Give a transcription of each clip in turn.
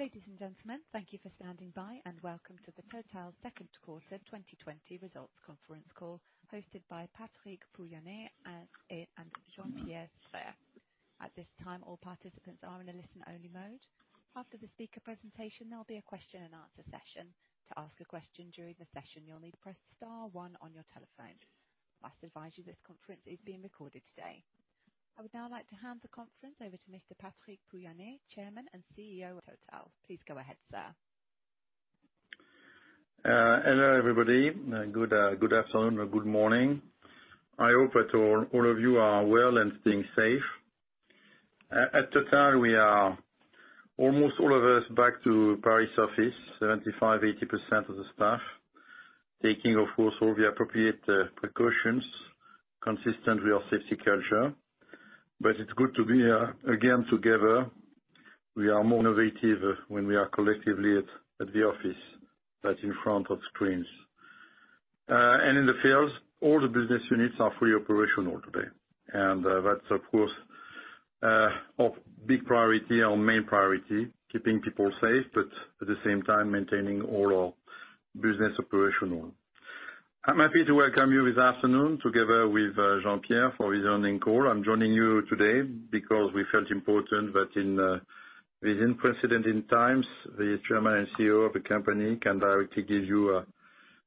Ladies and gentlemen, thank you for standing by, and welcome to the Total second quarter 2020 results conference call, hosted by Patrick Pouyanné and Jean-Pierre Sbraire. At this time, all participants are in a listen-only mode. After the speaker presentation, there will be a question and answer session. To ask a question during the session, you will need to press star one on your telephone. I must advise you this conference is being recorded today. I would now like to hand the conference over to Mr. Patrick Pouyanné, Chairman and CEO of Total. Please go ahead, sir. Hello, everybody. Good afternoon or good morning. I hope that all of you are well and staying safe. At TotalEnergies, we are, almost all of us, back to Paris office, 75%, 80% of the staff. Taking, of course, all the appropriate precautions consistent with our safety culture. It's good to be here again together. We are more innovative when we are collectively at the office than in front of screens. In the fields, all the business units are fully operational today. That's, of course, our big priority, our main priority, keeping people safe, but at the same time, maintaining all our business operational. I'm happy to welcome you this afternoon, together with Jean-Pierre for his earnings call. I'm joining you today because we felt important that in these unprecedented times, the Chairman and CEO of the company can directly give you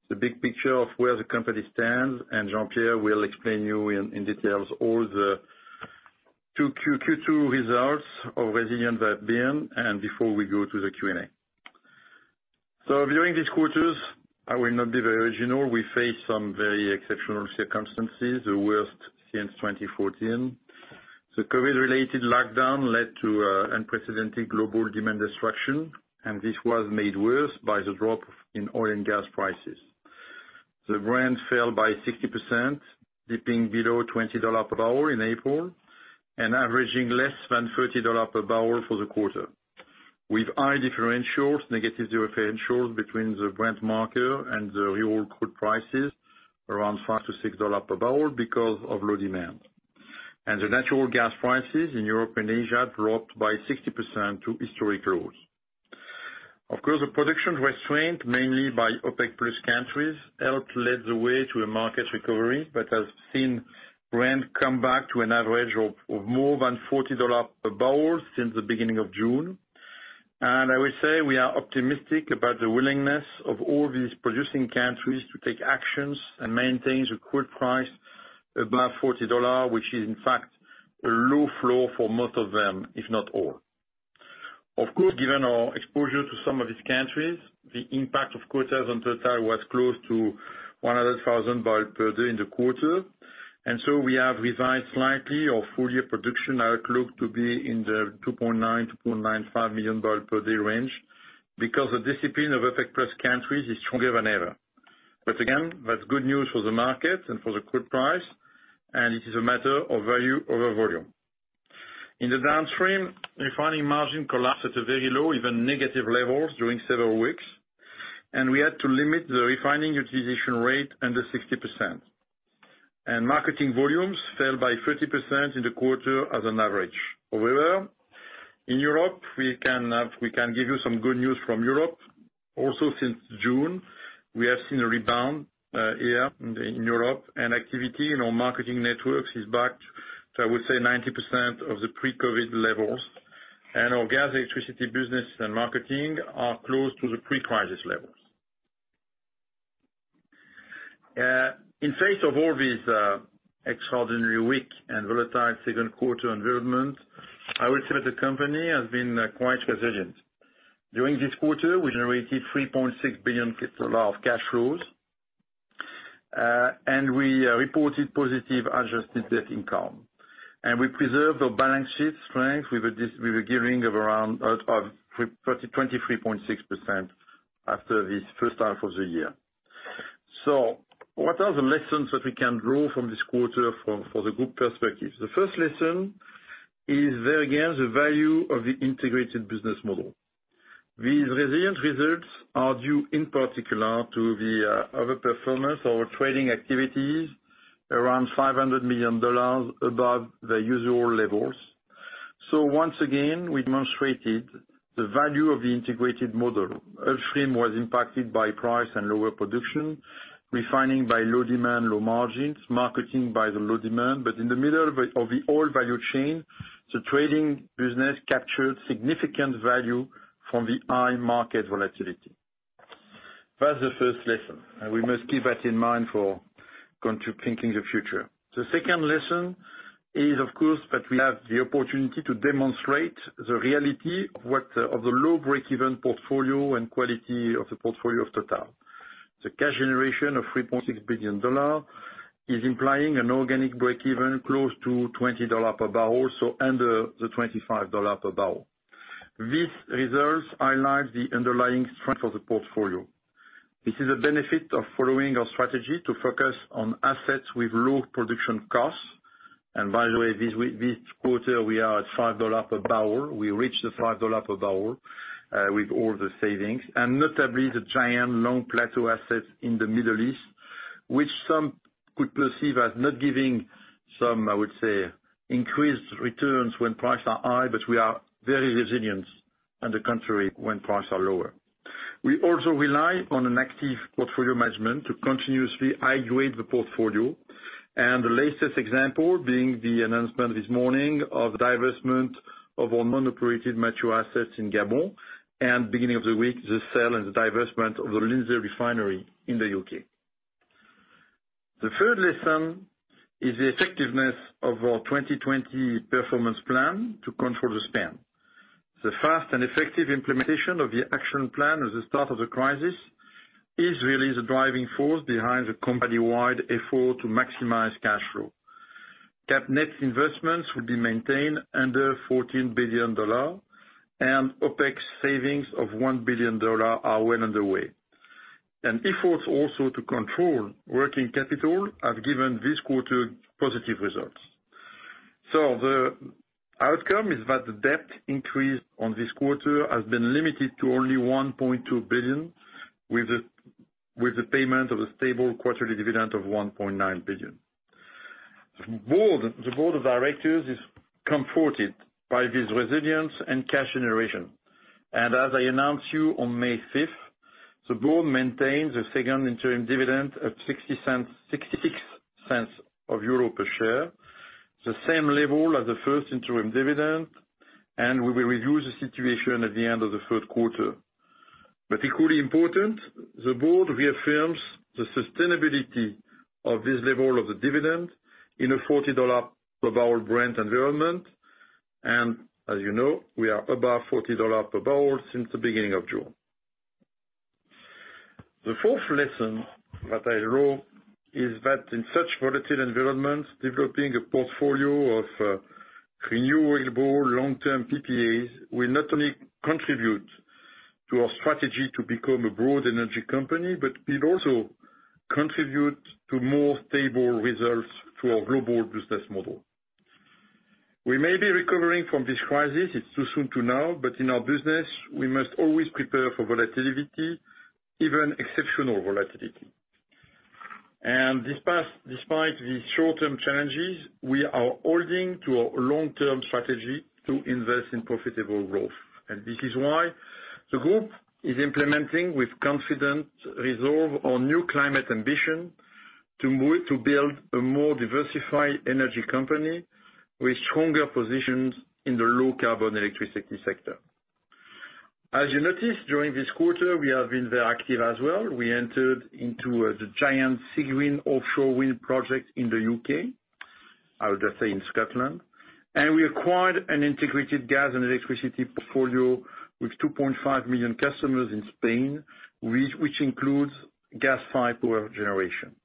the big picture of where the company stands, Jean-Pierre will explain you in details all the Q2 results of resilient they've been, before we go to the Q&A. Viewing these quarters, I will not be very original. We face some very exceptional circumstances, the worst since 2014. The COVID-related lockdown led to unprecedented global demand destruction, this was made worse by the drop in oil and gas prices. The Brent fell by 60%, dipping below $20 per barrel in April, averaging less than $30 per barrel for the quarter. With high differentials, negative differentials between the Brent marker and the raw crude prices around $5-$6 per barrel because of low demand. The natural gas prices in Europe and Asia dropped by 60% to historic lows. Of course, the production restraint, mainly by OPEC Plus countries, helped lead the way to a market recovery that has seen Brent come back to an average of more than $40 per barrel since the beginning of June. I will say, we are optimistic about the willingness of all these producing countries to take actions and maintain the crude price above $40, which is, in fact, a low flow for most of them, if not all. Of course, given our exposure to some of these countries, the impact of quotas on Total was close to 100,000 barrel per day in the quarter. We have revised slightly our full-year production outlook to be in the 2.9-2.95 million barrel per day range because the discipline of OPEC Plus countries is stronger than ever. Again, that's good news for the market and for the crude price, it is a matter of value over volume. In the downstream, refining margin collapsed at a very low, even negative levels during several weeks, we had to limit the refining utilization rate under 60%. Marketing volumes fell by 30% in the quarter as an average. However, in Europe, we can give you some good news from Europe. Also since June, we have seen a rebound here in Europe and activity in our marketing networks is back to, I would say, 90% of the pre-COVID levels. Our gas, electricity business and marketing are close to the pre-crisis levels. In face of all this extraordinary, weak, and volatile second quarter environment, I would say that the company has been quite resilient. During this quarter, we generated $3.6 billion of cash flows, and we reported positive adjusted net income. We preserved our balance sheet strength with a gearing of around 23.6% after this first half of the year. What are the lessons that we can draw from this quarter for the group perspective? The first lesson is, again, the value of the integrated business model. These resilient results are due in particular to the overperformance of our Trading activities, around $500 million above the usual levels. Once again, we demonstrated the value of the integrated model. Upstream was impacted by price and lower production, Refining by low demand, low margins, Marketing by the low demand. In the middle of the oil value chain, the Trading business captured significant value from the high market volatility. That's the first lesson, we must keep that in mind for thinking the future. The second lesson is, of course, that we have the opportunity to demonstrate the reality of the low break-even portfolio and quality of the portfolio of Total. The cash generation of $3.6 billion is implying an organic break-even close to $20 per barrel, under the $25 per barrel. These results highlight the underlying strength of the portfolio. This is a benefit of following our strategy to focus on assets with low production costs. By the way, this quarter, we are at $5 per barrel. We reached the $5 per barrel with all the savings, notably, the giant long plateau assets in the Middle East, which some could perceive as not giving some, I would say, increased returns when prices are high, but we are very resilient on the contrary, when prices are lower. We also rely on an active portfolio management to continuously hydrate the portfolio, and the latest example being the announcement this morning of divestment of our non-operated mature assets in Gabon, and beginning of the week, the sale and the divestment of the Lindsey Refinery in the U.K. The third lesson is the effectiveness of our 2020 performance plan to control the spend. The fast and effective implementation of the action plan at the start of the crisis is really the driving force behind the company-wide effort to maximize cash flow. Cap net investments will be maintained under $14 billion, OpEx savings of $1 billion are well underway. Efforts also to control working capital have given this quarter positive results. The outcome is that the debt increase on this quarter has been limited to only $1.2 billion, with the payment of a stable quarterly dividend of $1.9 billion. The Board of Directors is comforted by this resilience and cash generation. As I announced you on May 5th, the board maintains a second interim dividend of 0.66 per share, the same level as the first interim dividend, and we will review the situation at the end of the third quarter. Equally important, the board reaffirms the sustainability of this level of the dividend in a $40 per barrel Brent environment. As you know, we are above $40 per barrel since the beginning of June. The fourth lesson that I draw is that in such volatile environments, developing a portfolio of renewable long-term PPAs will not only contribute to our strategy to become a broad energy company, but will also contribute to more stable results for our global business model. We may be recovering from this crisis. It's too soon to know, but in our business, we must always prepare for volatility, even exceptional volatility. Despite the short-term challenges, we are holding to our long-term strategy to invest in profitable growth. This is why the group is implementing with confident resolve our new climate ambition to build a more diversified energy company with stronger positions in the low-carbon electricity sector. As you noticed, during this quarter, we have been very active as well. We entered into the giant Seagreen offshore wind project in the U.K., I would just say in Scotland, and we acquired an integrated gas and electricity portfolio with 2.5 million customers in Spain, which includes gas-fired power generation.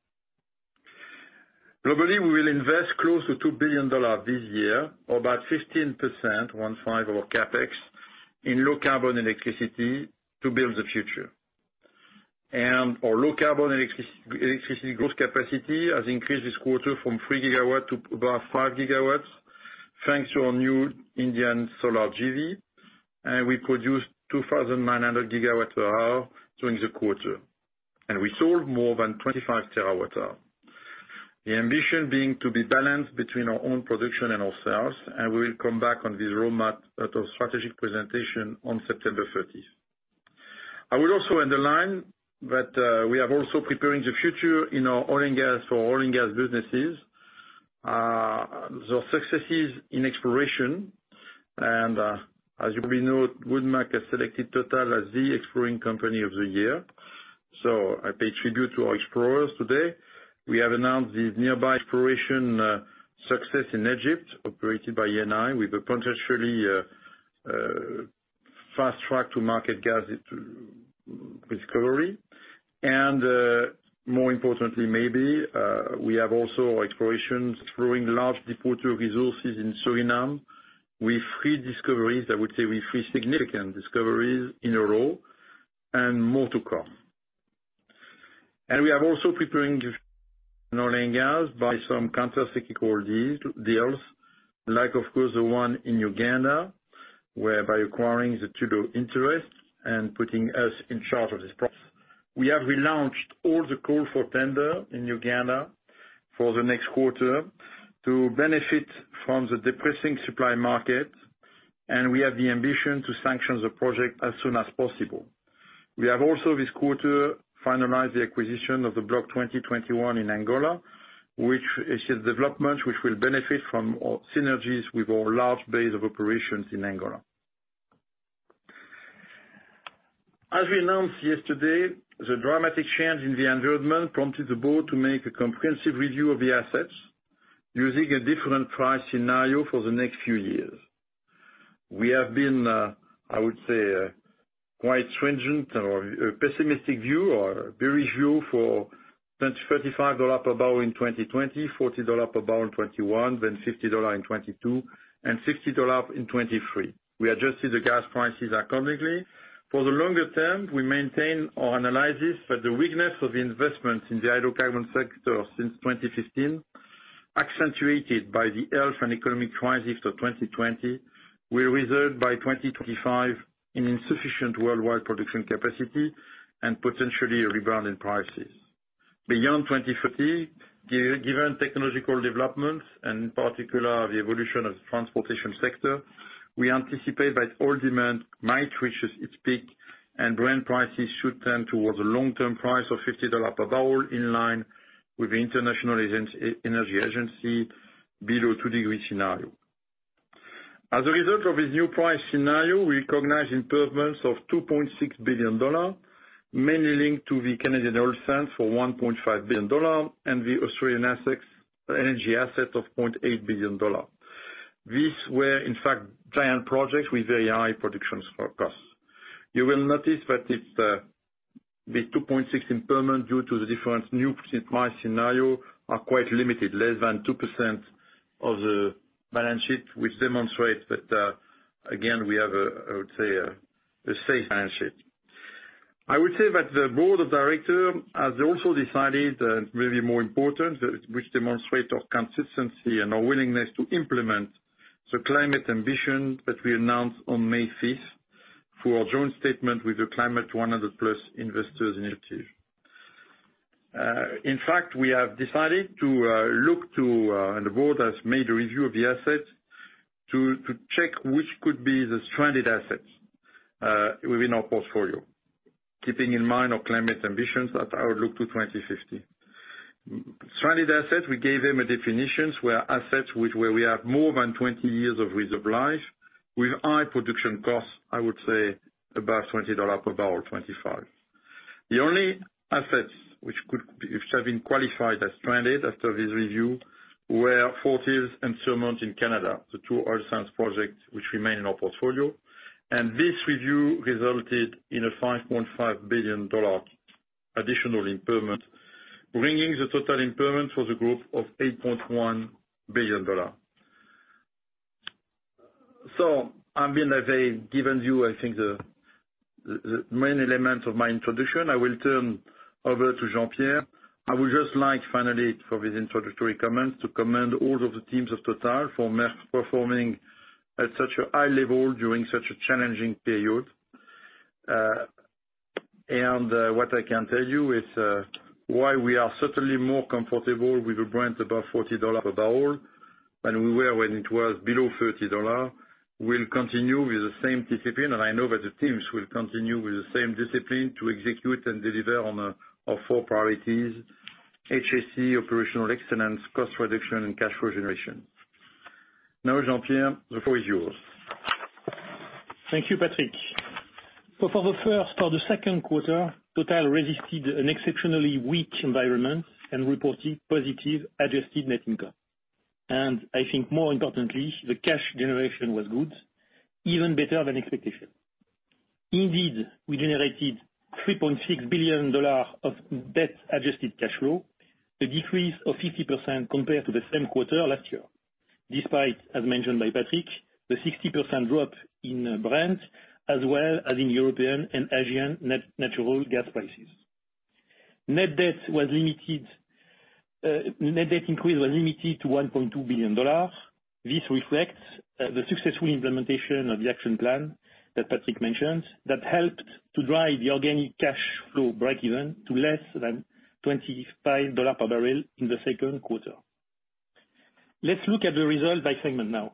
Globally, we will invest close to $2 billion this year, or about 15%, one five of our CapEx, in low-carbon electricity to build the future. Our low-carbon electricity gross capacity has increased this quarter from 3 GW to above 5GW, thanks to our new Indian solar JV. We produced 2,900GW per hour during the quarter. We sold more than 25 terawatt hour. The ambition being to be balanced between our own production and our sales, and we will come back on this roadmap at our strategic presentation on September 30th. I will also underline that we are also preparing the future in our oil and gas businesses. The successes in exploration, as you probably know, Wood Mackenzie has selected TotalEnergies as the exploring company of the year. I pay tribute to our explorers today. We have announced the nearby exploration success in Egypt, operated by Eni, with a potentially fast track to market gas discovery. More importantly, maybe, we have also explorations proving large departure of resources in Suriname with three significant discoveries in a row, and more to come. We are also preparing oil and gas by some countercyclical deals, like, of course, the one in Uganda, whereby acquiring the total interest and putting us in charge of this process. We have relaunched all the call for tender in Uganda for the next quarter to benefit from the depressing supply market. We have the ambition to sanction the project as soon as possible. We have also this quarter finalized the acquisition of the Block 20/21 in Angola, which is a development which will benefit from synergies with our large base of operations in Angola. As we announced yesterday, the dramatic change in the environment prompted the board to make a comprehensive review of the assets using a different price scenario for the next few years. We have been, I would say, quite stringent or pessimistic view or bearish view for $35 per barrel in 2020, $40 per barrel in 2021, then $50 in 2022, and $60 in 2023. We adjusted the gas prices accordingly. For the longer term, we maintain our analysis that the weakness of the investments in the hydrocarbon sector since 2015, accentuated by the health and economic crisis of 2020, will result by 2025 in insufficient worldwide production capacity and potentially a rebound in prices. Beyond 2050, given technological developments and in particular, the evolution of the transportation sector, we anticipate that oil demand might reach its peak and Brent prices should tend towards a long-term price of $50 per barrel, in line with the International Energy Agency below two degree scenario. As a result of this new price scenario, we recognize impairments of $2.6 billion, mainly linked to the Canadian oil sands for $1.5 billion and the Australian energy asset of $0.8 billion. These were, in fact, giant projects with very high production costs. You will notice that the $2.6 impairment due to the different new price scenario are quite limited, less than 2% of the balance sheet, which demonstrates that, again, we have a, I would say, a safe balance sheet. I would say that the board of directors has also decided, maybe more important, which demonstrate our consistency and our willingness to implement the climate ambition that we announced on May 5th for our joint statement with the Climate 100+ investors initiative. In fact, we have decided to look to, and the board has made a review of the assets, to check which could be the stranded assets within our portfolio. Keeping in mind our climate ambitions at our look to 2050. Stranded assets, we gave them a definition where assets which we have more than 20 years of reserve life with high production costs, I would say about $20-$25 per barrel. The only assets which have been qualified as stranded after this review were Fort Hills and Surmont in Canada, the two oil sands projects which remain in our portfolio. This review resulted in a $5.5 billion additional impairment, bringing the total impairment for the group of $8.1 billion. I mean, I've given you, I think, the main elements of my introduction. I will turn over to Jean-Pierre. I would just like finally, for these introductory comments, to commend all of the teams of Total for performing at such a high level during such a challenging period. What I can tell you is why we are certainly more comfortable with a Brent above $40 per barrel than we were when it was below $30. We'll continue with the same discipline, and I know that the teams will continue with the same discipline to execute and deliver on our four priorities, HSE, operational excellence, cost reduction, and cash flow generation. Now, Jean-Pierre, the floor is yours. Thank you, Patrick. For the second quarter, Total resisted an exceptionally weak environment and reported positive adjusted net income. I think more importantly, the cash generation was good, even better than expectations. Indeed, we generated $3.6 billion of debt adjusted cash flow, a decrease of 50% compared to the same quarter last year. Despite, as mentioned by Patrick, the 60% drop in Brent, as well as in European and Asian natural gas prices. Net debt increase was limited to $1.2 billion. This reflects the successful implementation of the action plan that Patrick mentioned that helped to drive the organic cash flow breakeven to less than $25 per barrel in the second quarter. Let's look at the results by segment now.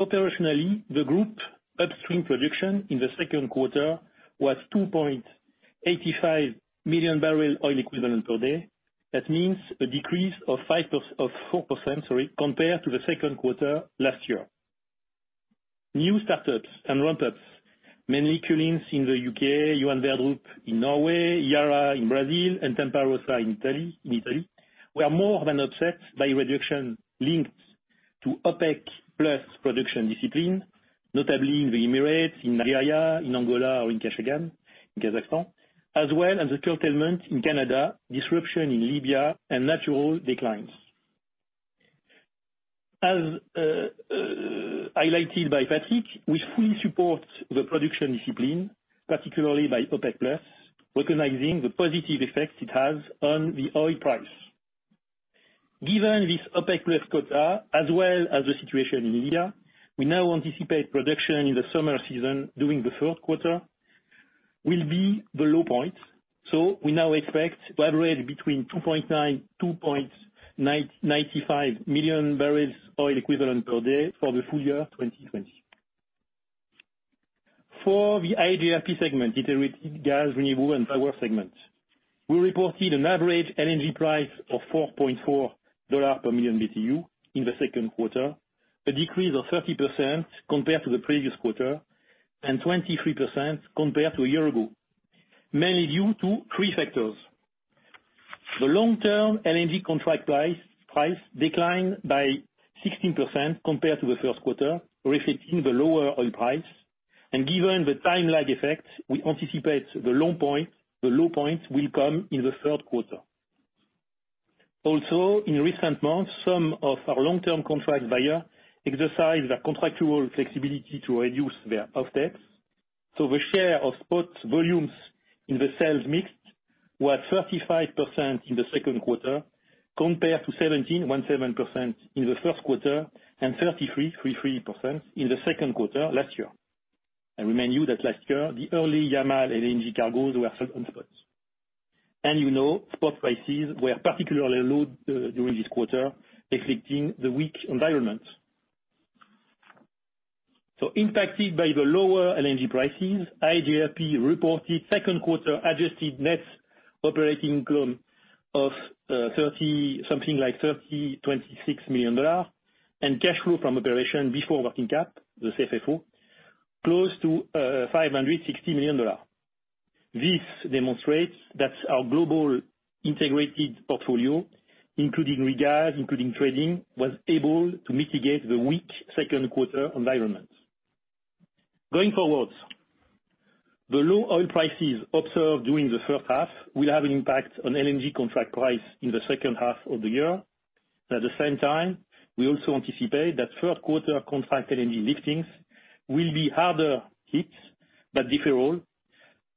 Operationally, the group upstream production in the second quarter was 2.85 million barrel oil equivalent per day. That means a decrease of 4%, sorry, compared to the second quarter last year. New startups and ramp-ups, mainly Culzean in the U.K., Johan Sverdrup in Norway, Iara in Brazil, and Tempa Rossa in Italy, were more than offset by reduction linked to OPEC+ production discipline, notably in the Emirates, in Nigeria, in Angola or in Kashagan, Kazakhstan, as well as the curtailment in Canada, disruption in Libya and natural declines. As highlighted by Patrick, we fully support the production discipline, particularly by OPEC+, recognizing the positive effect it has on the oil price. Given this OPEC+ quota, as well as the situation in Libya, we now anticipate production in the summer season during the third quarter will be the low point. We now expect to average between 2.9 million barrels oil equivalent per day 2.95 million barrels oil equivalent per day for the full year 2020. For the iGRP segment, Integrated Gas, Renewables and Power segment, we reported an average LNG price of $4.4 per million BTU in the second quarter, a decrease of 30% compared to the previous quarter and 23% compared to a year ago, mainly due to three factors. Given the time lag effect, we anticipate the low point will come in the third quarter. Also, in recent months, some of our long-term contract buyers exercised their contractual flexibility to reduce their offtakes. The share of spot volumes in the sales mix were 35% in the second quarter compared to 17.17% in the first quarter and 33.33% in the second quarter last year. I remind you that last year, the early Yamal LNG cargoes were sold on spots. You know, spot prices were particularly low during this quarter, reflecting the weak environment. Impacted by the lower LNG prices, iGRP reported second quarter adjusted net operating income of something like $30.26 million, and cash flow from operation before working cap, the CFFO, close to $560 million. This demonstrates that our global integrated portfolio, including regas, including trading, was able to mitigate the weak second quarter environment. Going forwards, the low oil prices observed during the first half will have an impact on LNG contract price in the second half of the year. The same time, we also anticipate that third quarter contract LNG liftings will be harder hit, but different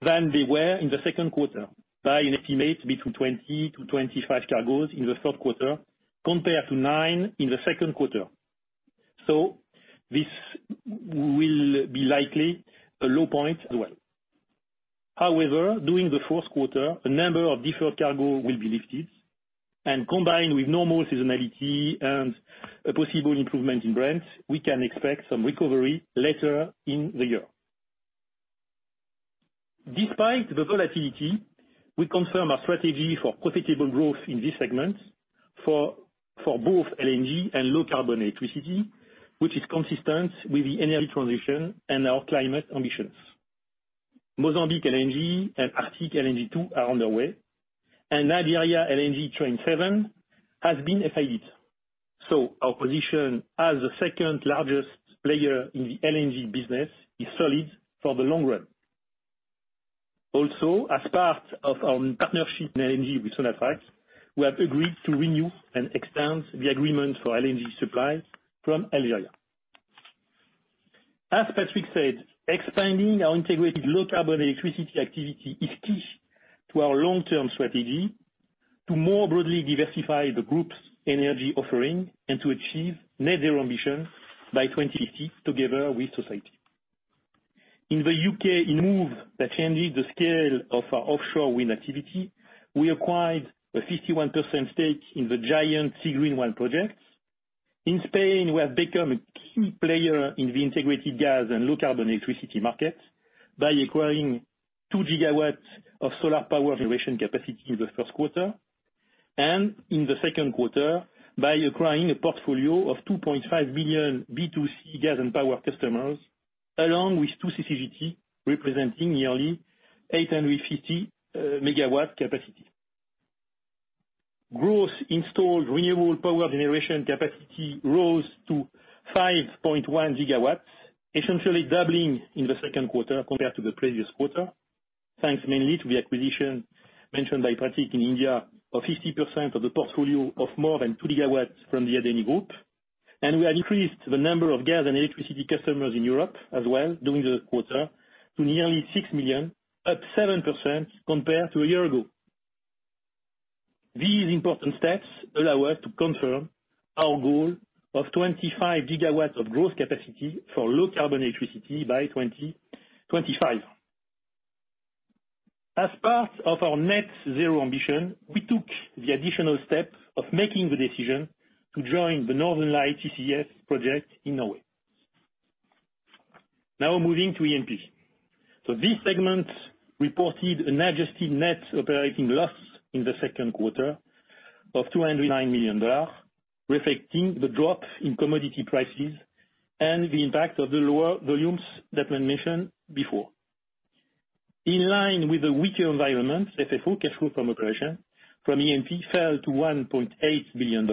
than they were in the second quarter by an estimate between 20-25 cargos in the third quarter, compared to nine in the second quarter. This will be likely a low point as well. However, during the fourth quarter, a number of deferred cargo will be lifted, and combined with normal seasonality and a possible improvement in Brent, we can expect some recovery later in the year. Despite the volatility, we confirm our strategy for profitable growth in this segment for both LNG and low carbon electricity, which is consistent with the energy transition and our climate ambitions. Mozambique LNG and Arctic LNG 2 are underway, and Nigeria LNG Train seven has been FID'd. Our position as the second largest player in the LNG business is solid for the long run. As part of our partnership in LNG with Sonatrach, we have agreed to renew and extend the agreement for LNG supplies from Algeria. As Patrick said, expanding our integrated low carbon electricity activity is key to our long-term strategy to more broadly diversify the group's energy offering and to achieve net zero emission by 2050 together with society. In the U.K., a move that changes the scale of our offshore wind activity, we acquired a 51% stake in the giant Seagreen 1 projects. In Spain, we have become a key player in the integrated gas and low carbon electricity market by acquiring 2 GW of solar power generation capacity in the first quarter, and in the second quarter by acquiring a portfolio of 2.5 million B2C gas and power customers, along with 2 CCGT, representing nearly 850 megawatt capacity. Gross installed renewable power generation capacity rose to 5.1 GW, essentially doubling in the second quarter compared to the previous quarter, thanks mainly to the acquisition mentioned by Patrick in India of 50% of the portfolio of more than 2 GW from the Adani Group. We have increased the number of gas and electricity customers in Europe as well during the quarter to nearly 6 million, up 7% compared to a year ago. These important steps allow us to confirm our goal of 25 GW of growth capacity for low carbon electricity by 2025. As part of our net zero emission, we took the additional step of making the decision to join the Northern Lights CCS project in Norway. Now moving to E&P. This segment reported an adjusted net operating loss in the second quarter of $209 million, reflecting the drop in commodity prices and the impact of the lower volumes that were mentioned before. In line with the weaker environment, FFO, cash flow from operation, from E&P fell to $1.8 billion.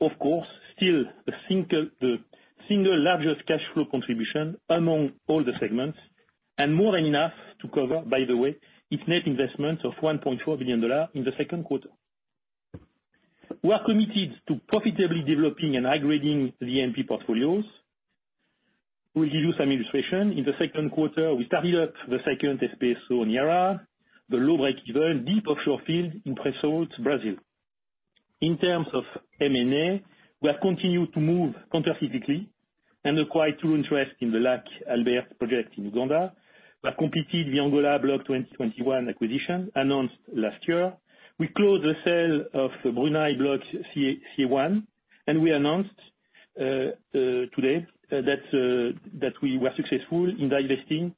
Of course, still the single largest cash flow contribution among all the segments, and more than enough to cover, by the way, its net investment of $1.4 billion in the second quarter. We are committed to profitably developing and high-grading the E&P portfolios. We give you some illustration. In the second quarter, we started up the second FPSO on Iara, the low break even deep offshore field in Pre-Salt, Brazil. In terms of M&A, we have continued to move countercyclically and acquired two interest in the Lake Albert project in Uganda. We have completed the Angola Block 20/21 acquisition announced last year. We closed the sale of the Brunei Block C1. We announced today that we were successful in divesting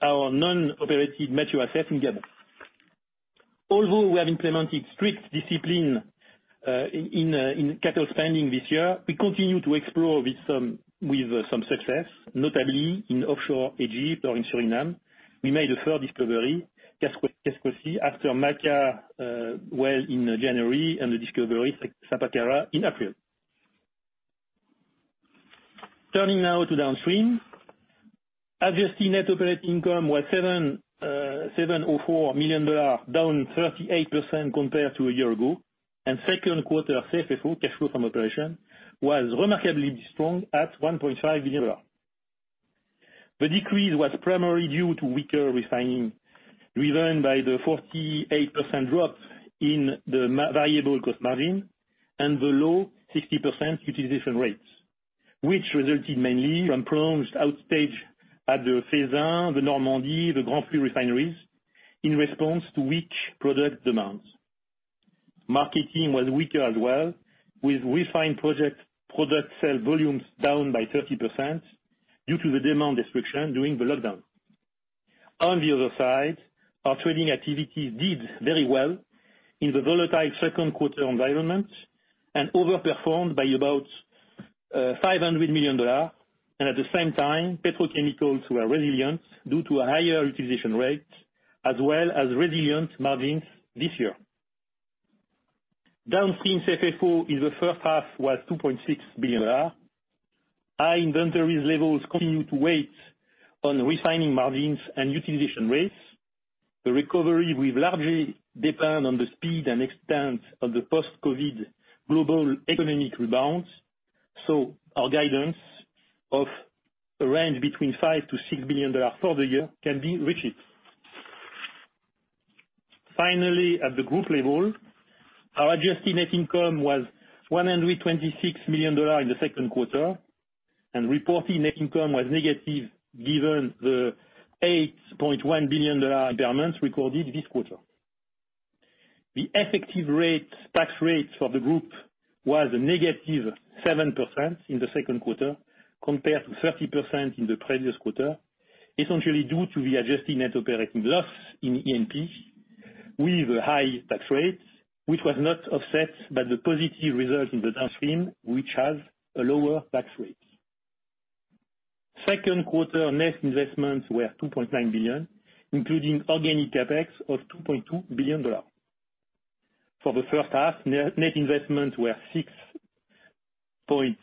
our non-operated mature assets in Gabon. Although we have implemented strict discipline in capital spending this year, we continue to explore with some success, notably in offshore Egypt or in Suriname. We made a further discovery, after Maka well in January and the discovery at Sapakara in April. Turning now to downstream. Adjusted net operating income was $704 million, down 38% compared to a year ago. Second quarter CFFO, cash flow from operation, was remarkably strong at EUR 1.5 billion. The decrease was primarily due to weaker refining, driven by the 48% drop in the variable cost margin and the low 60% utilization rates. Which resulted mainly from prolonged outage at the Feyzin, the Normandy, the Grandpuits refineries in response to weak product demands. Marketing was weaker as well, with refined product sale volumes down by 30% due to the demand destruction during the lockdown. On the other side, our trading activities did very well in the volatile second quarter environment and overperformed by about $500 million. At the same time, petrochemicals were resilient due to a higher utilization rate as well as resilient margins this year. Downstream CFFO in the first half was $2.6 billion. High inventories levels continue to weigh on refining margins and utilization rates. The recovery will largely depend on the speed and extent of the post-COVID global economic rebound, so our guidance of a range between $5 billion-$6 billion for the year can be reached. At the group level, our adjusted net income was $126 million in the second quarter, and reported net income was negative given the $8.1 billion impairment recorded this quarter. The effective tax rate for the group was a negative 7% in the second quarter, compared to 30% in the previous quarter, essentially due to the adjusted net operating loss in E&P with a high tax rate, which was not offset by the positive result in the downstream, which has a lower tax rate. Second quarter net investments were $2.9 billion, including organic CapEx of $2.2 billion. For the first half, net investments were $6.5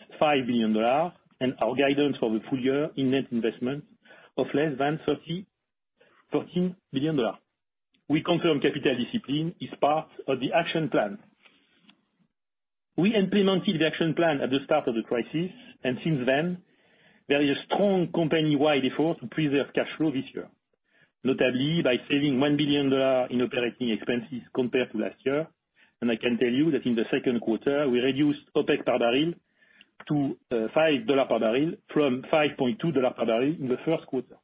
billion, our guidance for the full year in net investment of less than $13 billion. We confirm capital discipline is part of the action plan. We implemented the action plan at the start of the crisis. Since then, there is strong company-wide effort to preserve cash flow this year, notably by saving $1 billion in operating expenses compared to last year. I can tell you that in the second quarter, we reduced OpEx per barrel to $5 per barrel from $5.20 per barrel in the first quarter,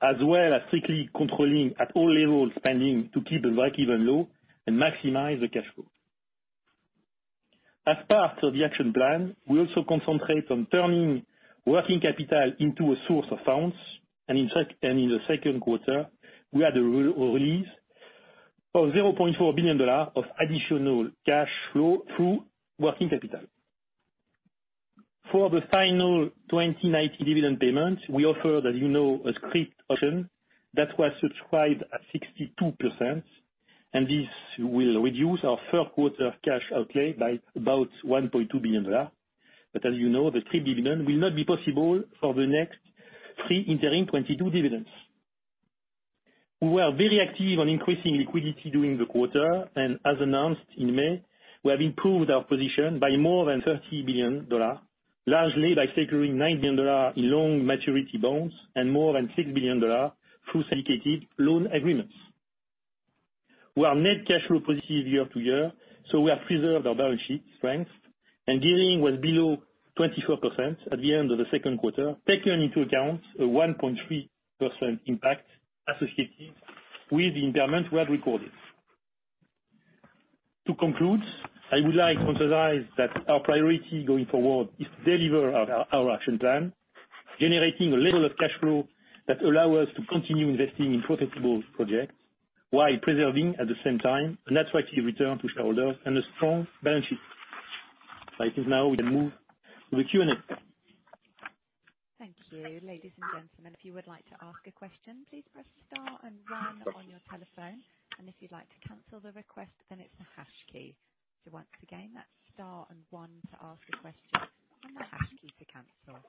as well as strictly controlling at all levels, spending to keep the breakeven low and maximize the cash flow. As part of the action plan, we also concentrate on turning working capital into a source of funds. In the second quarter, we had a release of $0.4 billion of additional cash flow through working capital. For the final 2019 dividend payment, we offered a scrip option that was subscribed at 62%. This will reduce our third quarter cash outlay by about $1.2 billion. As you know, the $3 billion will not be possible for the next three interim 2022 dividends. We were very active on increasing liquidity during the quarter, and as announced in May, we have improved our position by more than $30 billion, largely by securing $90 billion in long maturity bonds and more than $6 billion through syndicated loan agreements. We are net cash flow positive year to year, so we have preserved our balance sheet strength and gearing was below 24% at the end of the second quarter, taking into account a 1.3% impact associated with the impairment we have recorded. To conclude, I would like to emphasize that our priority going forward is to deliver our action plan, generating a level of cash flow that allow us to continue investing in profitable projects while preserving, at the same time, an attractive return to shareholders and a strong balance sheet. I think now we can move to the Q&A. Thank you. Ladies and gentlemen, if you would like to ask a question, please press star and one on your telephone. If you'd like to cancel the request, it's the hash key. Once again, that's star and one to ask a question and the hash key to cancel.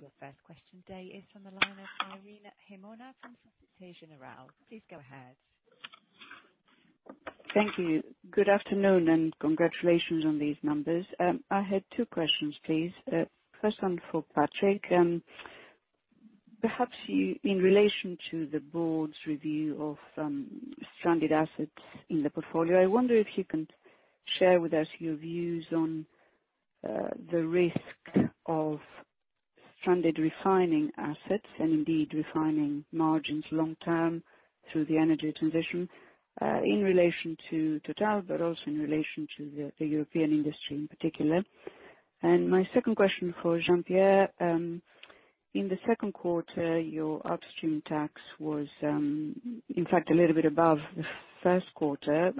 Your first question today is from the line of Irene Himona from Societe Generale. Please go ahead. Thank you. Good afternoon. Congratulations on these numbers. I had two questions, please. First one for Patrick. Perhaps in relation to the board's review of stranded assets in the portfolio, I wonder if you can share with us your views on the risk of stranded refining assets and indeed refining margins long term through the energy transition, in relation to TotalEnergies, but also in relation to the European industry in particular. My second question for Jean-Pierre. In the second quarter, your upstream tax was in fact a little bit above the first quarter.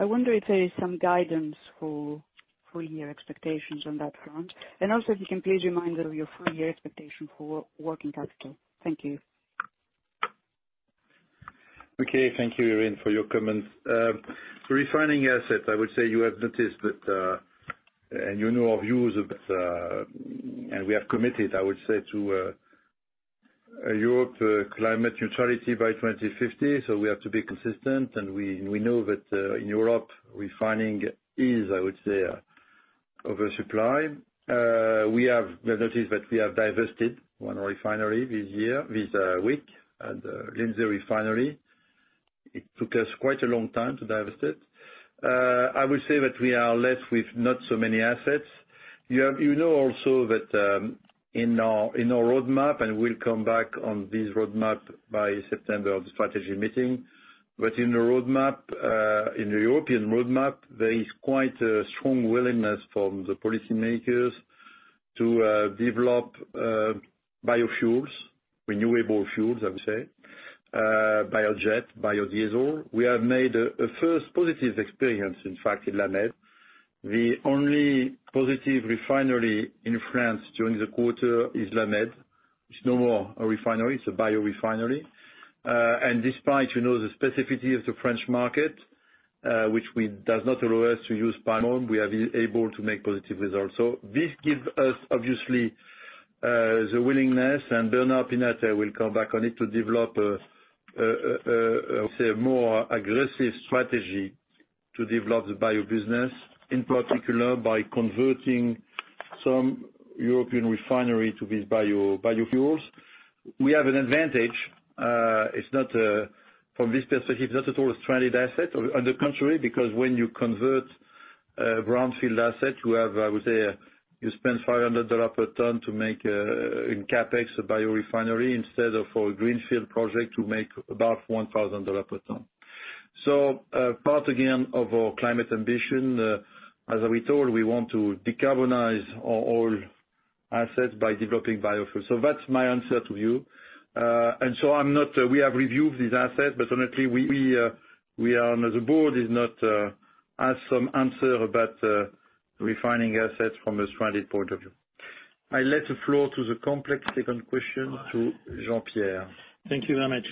I wonder if there is some guidance for full-year expectations on that front, and also if you can please remind us of your full-year expectation for working capital. Thank you. Okay. Thank you, Irene, for your comments. Refining assets, I would say you have noticed that, you know our views of, we have committed, I would say, to. Europe climate neutrality by 2050, we have to be consistent. We know that in Europe, refining is, I would say, oversupply. You have noticed that we have divested one refinery this year, this week, the Lindsey Refinery. It took us quite a long time to divest it. I would say that we are left with not so many assets. You know also that in our roadmap, and we'll come back on this roadmap by September of the strategy meeting. In the European roadmap, there is quite a strong willingness from the policymakers to develop biofuels, renewable fuels, I would say, biojet, biodiesel. We have made a first positive experience, in fact, in La Mède. The only positive refinery in France during the quarter is La Mède. It's no more a refinery, it's a biorefinery. Despite the specificity of the French market, which does not allow us to use palm oil, we are able to make positive results. This gives us, obviously, the willingness, and Bernard Pinatel will come back on it, to develop, say, a more aggressive strategy to develop the bio business, in particular by converting some European refinery to these biofuels. We have an advantage. From this perspective, it's not at all a stranded asset. On the contrary, because when you convert a brownfield asset, you spend $500 a ton to make in CapEx a biorefinery instead of for a greenfield project to make about $1,000 a ton. Part, again, of our climate ambition, as we told, we want to decarbonize all assets by developing biofuels. That's my answer to you. We have reviewed these assets, but honestly, the board has not some answer about refining assets from a stranded point of view. I let the floor to the complex second question to Jean-Pierre. Thank you very much.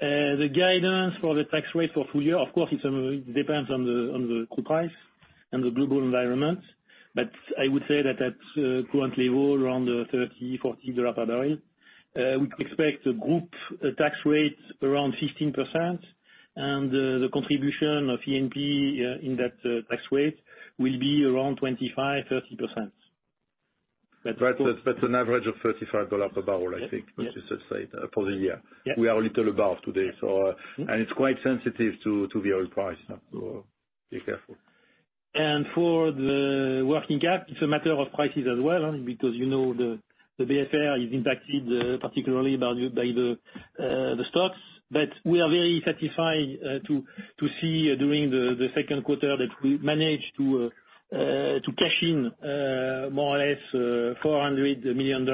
The guidance for the tax rate for full year, of course, it depends on the group price and the global environment. I would say that at current level, around $30, $40 a barrel. We expect the group tax rate around 15%, and the contribution of E&P in that tax rate will be around 25%, 30%. That's an average of $35 a barrel, I think, which is let's say, for the year. Yeah. We are a little above today. Yes. It's quite sensitive to the oil price, so be careful. For the working cap, it's a matter of prices as well, because the BFR is impacted particularly by the stocks. We are very satisfied to see during the second quarter that we managed to cash in more or less $400 million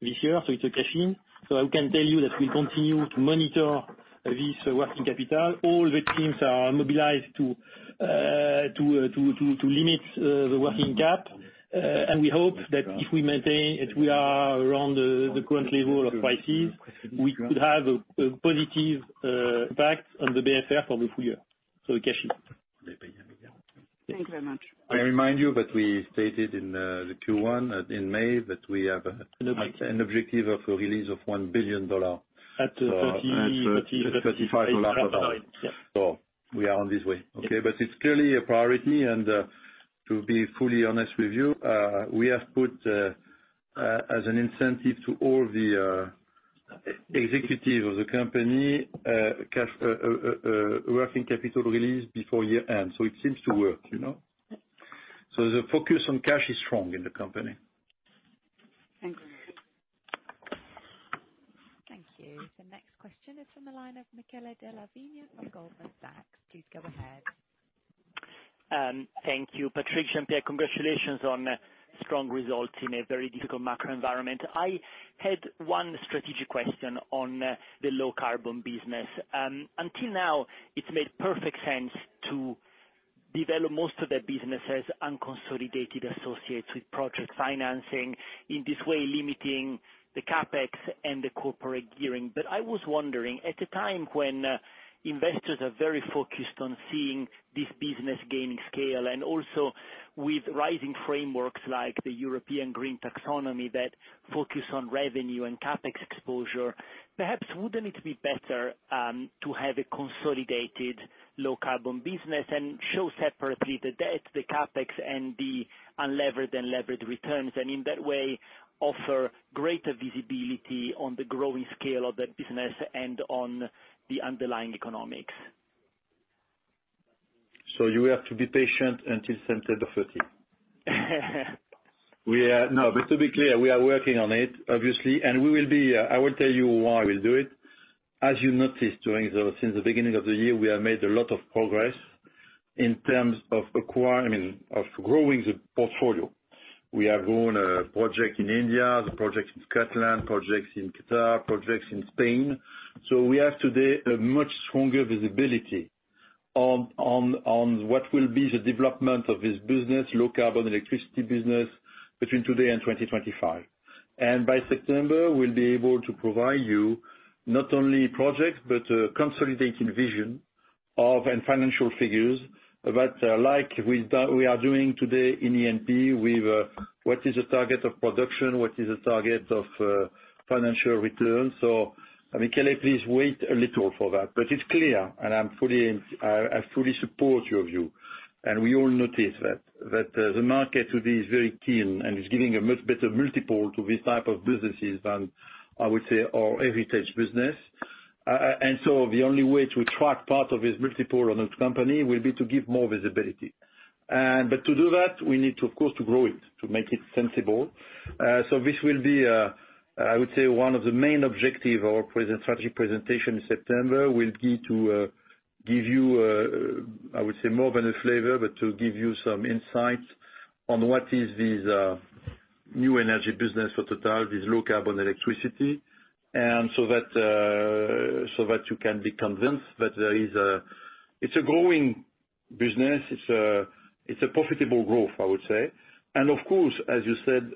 this year. It's a cash-in. I can tell you that we continue to monitor this working capital. All the teams are mobilized to limit the working cap. We hope that if we maintain, if we are around the current level of prices, we could have a positive impact on the BFR for the full year. We cash in. Thank you very much. I remind you that we stated in the Q1, in May. An objective. An objective of a release of $1 billion. At 30- At EUR 35 a barrel. Yes. We are on this way. Okay. It's clearly a priority, and to be fully honest with you, we have put as an incentive to all the executive of the company, working capital release before year-end. It seems to work. The focus on cash is strong in the company. Thank you. Thank you. The next question is from the line of Michele Della Vigna from Goldman Sachs. Please go ahead. Thank you, Patrick, Jean-Pierre, congratulations on strong results in a very difficult macro environment. I had one strategic question on the low carbon business. Until now, it's made perfect sense to develop most of the businesses, unconsolidated associates with project financing, in this way limiting the CapEx and the corporate gearing. I was wondering, at a time when investors are very focused on seeing this business gaining scale, and also with rising frameworks like the European Green Taxonomy that focus on revenue and CapEx exposure, perhaps wouldn't it be better to have a consolidated low carbon business and show separately the debt, the CapEx, and the unlevered and levered returns? In that way, offer greater visibility on the growing scale of that business and on the underlying economics. You have to be patient until September 30. No. To be clear, we are working on it, obviously. I will tell you why we'll do it. As you noticed since the beginning of the year, we have made a lot of progress in terms of growing the portfolio. We have grown a project in India, the project in Scotland, projects in Qatar, projects in Spain. We have today a much stronger visibility on what will be the development of this business, low carbon electricity business, between today and 2025. By September, we'll be able to provide you not only projects, but a consolidating vision of and financial figures. Like we are doing today in E&P with what is the target of production, what is the target of financial return. Can I please wait a little for that? It's clear, I fully support your view. We all notice that the market today is very keen and is giving a much better multiple to these type of businesses than, I would say, our heritage business. The only way to attract part of this multiple on the company will be to give more visibility. To do that, we need, of course, to grow it, to make it sensible. This will be, I would say, one of the main objective of our present strategy presentation in September will be to give you, I would say, more than a flavor, but to give you some insights on what is this new energy business for TotalEnergies, this low-carbon electricity. That you can be convinced that it's a growing business. It's a profitable growth, I would say. Of course, as you said,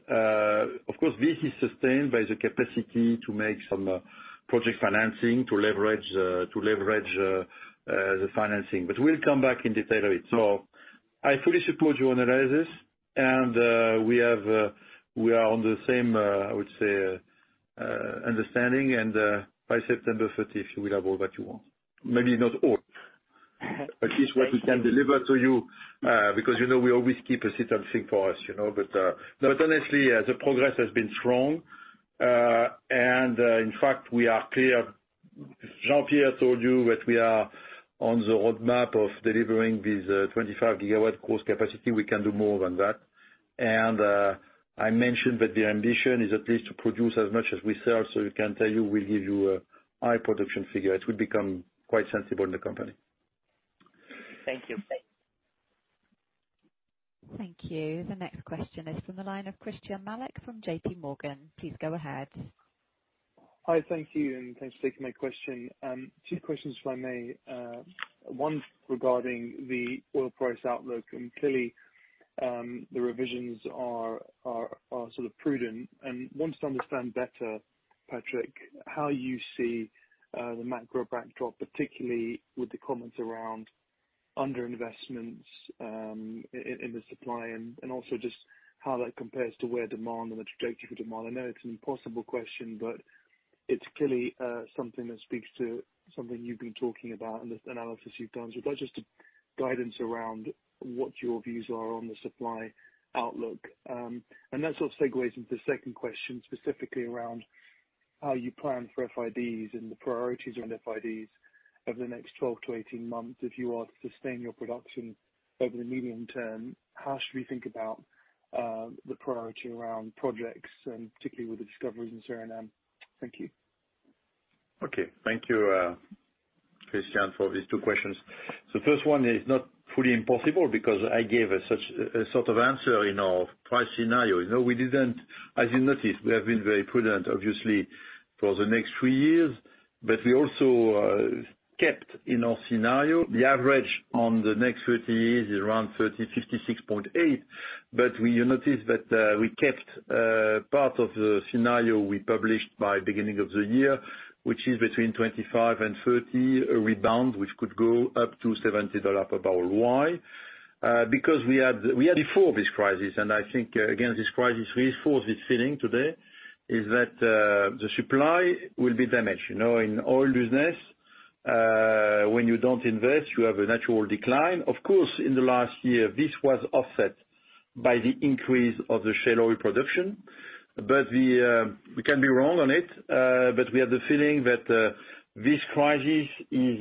this is sustained by the capacity to make some project financing to leverage the financing. We'll come back in detail on it. I fully support your analysis, and we are on the same, I would say, understanding. By September 30th, you will have all that you want. Maybe not all. At least what we can deliver to you, because we always keep a certain thing for us. Honestly, the progress has been strong. In fact, we are clear. Jean-Pierre told you that we are on the roadmap of delivering this 25 GW cost capacity. We can do more than that. I mentioned that the ambition is at least to produce as much as we sell, so we can tell you, we'll give you a high production figure. It will become quite sensible in the company. Thank you. Thank you. The next question is from the line of Christyan Malek from JPMorgan. Please go ahead. Hi. Thank you, and thanks for taking my question. Two questions, if I may. One regarding the oil price outlook. Clearly, the revisions are sort of prudent. Want to understand better, Patrick, how you see the macro backdrop, particularly with the comments around under investments in the supply and also just how that compares to where demand and the trajectory for demand. I know it's an impossible question. It's clearly something that speaks to something you've been talking about and the analysis you've done. If I just a guidance around what your views are on the supply outlook. That sort of segues into the second question, specifically around how you plan for FIDs and the priorities around FIDs over the next 12-18 months. If you are to sustain your production over the medium term, how should we think about the priority around projects, and particularly with the discoveries in Suriname? Thank you. Okay. Thank you, Christyan, for these two questions. First one is not fully impossible because I gave a sort of answer in our price scenario. As you noticed, we have been very prudent, obviously, for the next three years, but we also kept in our scenario the average on the next 30 years is around $30, $56.8. You notice that we kept part of the scenario we published by beginning of the year, which is between 2025 and 2030 rebound, which could go up to $70 per barrel. Why? Because we had before this crisis, and I think, again, this crisis reinforced this feeling today, is that the supply will be damaged. In oil business, when you don't invest, you have a natural decline. Of course, in the last year, this was offset by the increase of the shale oil production. We can be wrong on it, but we have the feeling that this crisis is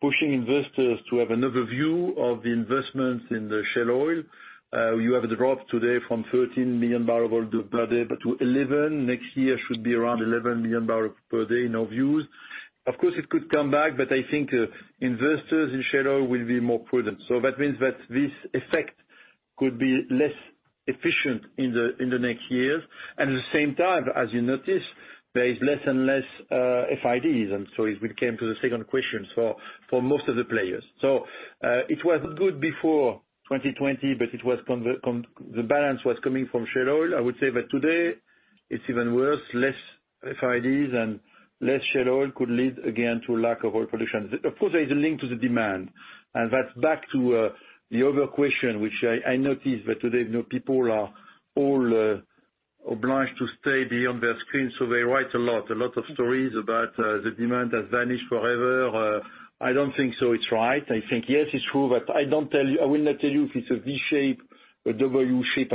pushing investors to have another view of the investments in the shale oil. You have a drop today from 13 million barrel per day to 11. Next year should be around 11 million barrel per day in our views. Of course, it could come back, but I think investors in shale oil will be more prudent. That means that this effect could be less efficient in the next years. At the same time, as you noticed, there is less and less FIDs. As we came to the second question, for most of the players. It was good before 2020, but the balance was coming from shale oil. I would say that today it's even worse, less FIDs and less shale oil could lead again to lack of oil production. Of course, there is a link to the demand. That's back to the other question, which I noticed that today, people are all obliged to stay behind their screen, so they write a lot of stories about the demand has vanished forever. I don't think so it's right. I think, yes, it's true, but I will not tell you if it's a V shape, a W shape.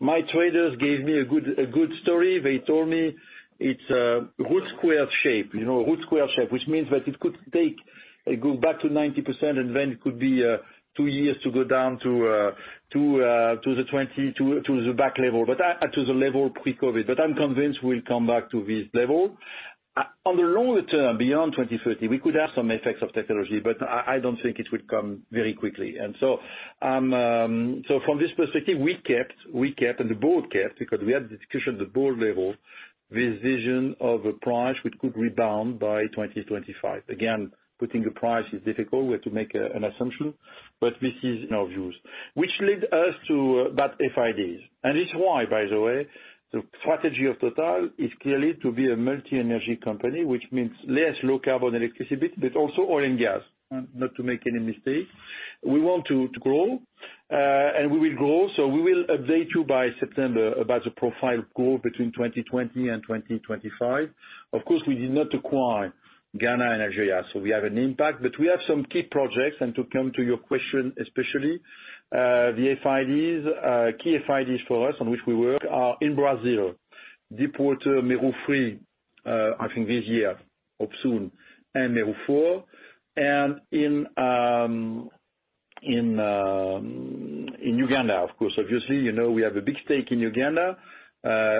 My traders gave me a good story. They told me it's a square root shape. Which means that it could go back to 90%, and then it could be two years to go down to the back level, to the level pre-COVID. I'm convinced we'll come back to this level. On the longer term, beyond 2030, we could have some effects of technology, but I don't think it would come very quickly. From this perspective, we kept, and the board kept, because we had discussion at the board level, this vision of a price which could rebound by 2025. Again, putting a price is difficult. We have to make an assumption, but this is in our views. Which lead us to that FIDs. It's why, by the way, the strategy of TotalEnergies is clearly to be a multi-energy company, which means less low-carbon electricity, but also oil and gas, not to make any mistake. We want to grow, and we will grow. We will update you by September about the profile growth between 2020 and 2025. Of course, we did not acquire Ghana and Algeria, so we have an impact. We have some key projects, and to come to your question, especially, the FIDs. Key FIDs for us, on which we work, are in Brazil, deepwater Mero-3, I think this year, or soon, and Mero-4. In Uganda, of course. Obviously, you know we have a big stake in Uganda,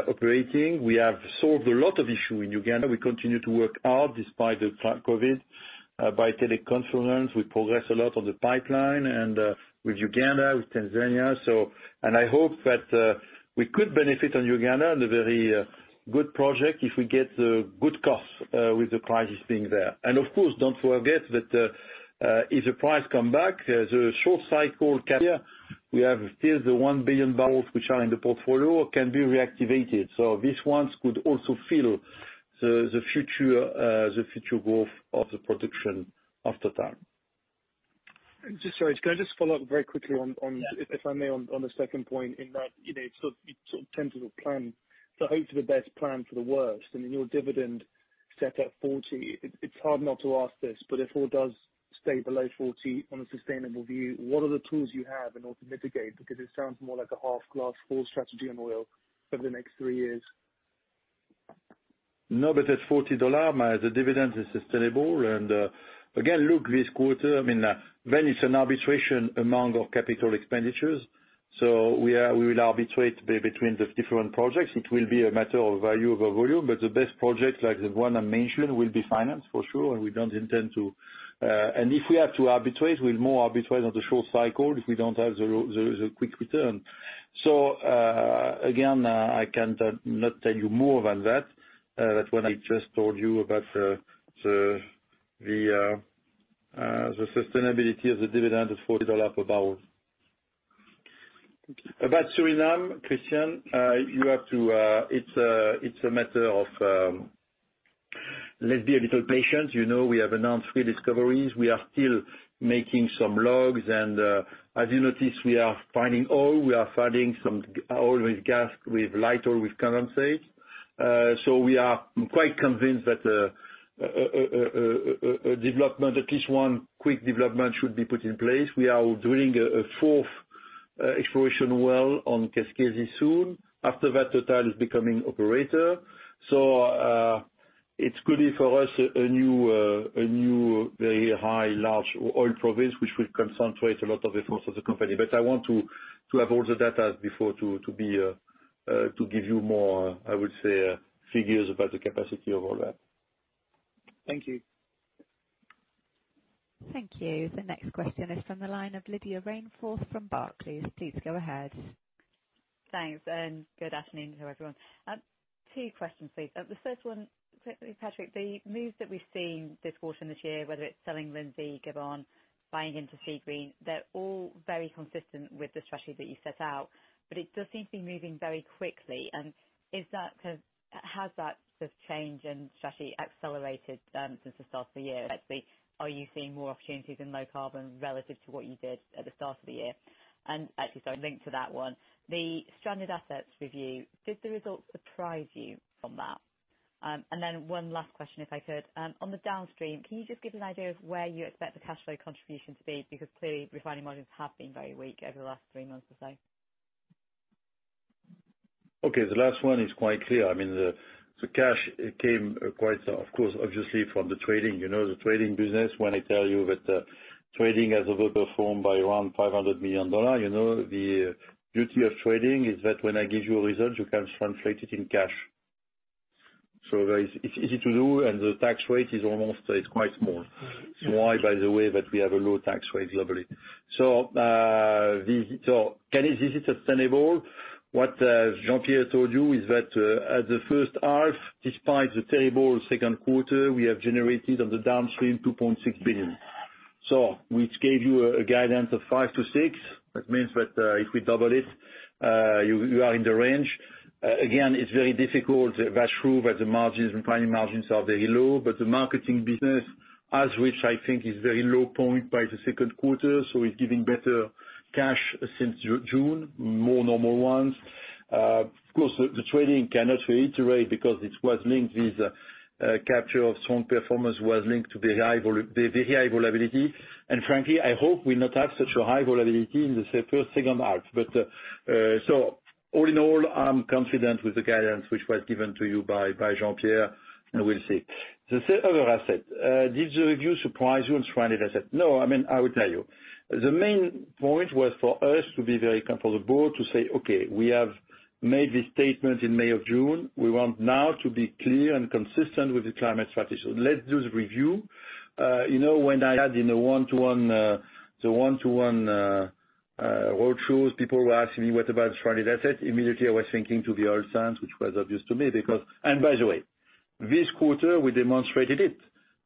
operating. We have solved a lot of issue in Uganda. We continue to work hard despite the COVID, by teleconference. We progress a lot on the pipeline and, with Uganda, with Tanzania. I hope that we could benefit on Uganda and a very good project if we get good costs with the prices being there. Of course, don't forget that, if the price come back, there's a short cycle carrier. We have still the 1 billion barrels which are in the portfolio, can be reactivated. These ones could also fill the future growth of the production of TotalEnergies. Just, sorry. Can I just follow up very quickly, if I may, on the second point, in that it's sort of tend to plan. Hope for the best, plan for the worst, your dividend set at $40. It's hard not to ask this, if oil does stay below $40 on a sustainable view, what are the tools you have in order to mitigate? It sounds more like a half glass full strategy on oil over the next three years. At $40, the dividend is sustainable. It's an arbitration among our capital expenditures. We will arbitrate between the different projects. It will be a matter of value over volume. The best project, like the one I mentioned, will be financed for sure. If we are to arbitrate, we'll more arbitrate on the short cycle if we don't have the quick return. I cannot tell you more than that. That's what I just told you about the sustainability of the dividend at $40 per barrel. Thank you. About Suriname, Christyan, it's a matter of let's be a little patient. You know we have announced three discoveries. We are still making some logs, and, as you notice, we are finding oil. We are finding some oil with gas, with light oil, with condensate. We are quite convinced that a development, at least one quick development, should be put in place. We are drilling a fourth exploration well on Keskesi soon. After that, Total is becoming operator. It could be for us, a new very high large oil province, which will concentrate a lot of efforts of the company. I want to have all the data before, to give you more, I would say, figures about the capacity of all that. Thank you. Thank you. The next question is from the line of Lydia Rainforth from Barclays. Please go ahead. Thanks. Good afternoon to everyone. Two questions, please. The first one, Patrick, the moves that we've seen this quarter and this year, whether it's selling Lindsey, Gabon, buying into Seagreen, they're all very consistent with the strategy that you set out, but it does seem to be moving very quickly. Has that change in strategy accelerated since the start of the year? Are you seeing more opportunities in low carbon relative to what you did at the start of the year? Actually, sorry, linked to that one, the stranded assets review, did the results surprise you from that? One last question, if I could. On the downstream, can you just give an idea of where you expect the cash flow contribution to be? Because clearly, refining margins have been very weak over the last three months or so. Okay. The last one is quite clear. The cash came quite, of course, obviously from the trading. The trading business, when I tell you that trading has overperformed by around $500 million. The beauty of trading is that when I give you a result, you can translate it in cash. That it's easy to do, and the tax rate is quite small. It's why, by the way, that we have a low tax rate globally. Can this be sustainable? What Jean-Pierre told you is that, at the first half, despite the terrible second quarter, we have generated on the downstream $2.6 billion. We gave you a guidance of five to six. That means that if we double it, you are in the range. Again, it's very difficult. That's true that the margins, refining margins are very low, but the marketing business has reached, I think, its very low point by the second quarter, so it's giving better cash since June, more normal ones. Of course, the trading, cannot reiterate because capture of strong performance was linked to the very high volatility. Frankly, I hope we'll not have such a high volatility in the first, second half. All in all, I'm confident with the guidance which was given to you by Jean-Pierre, and we'll see. The other asset. Did the review surprise you on stranded asset? No. I will tell you. The main point was for us to be very comfortable to say, okay, we have made this statement in May or June. We want now to be clear and consistent with the climate strategy. Let's do the review. When I had the one-to-one road shows, people were asking me, "What about stranded asset?" Immediately, I was thinking to the oil sands, which was obvious to me because by the way, this quarter we demonstrated it,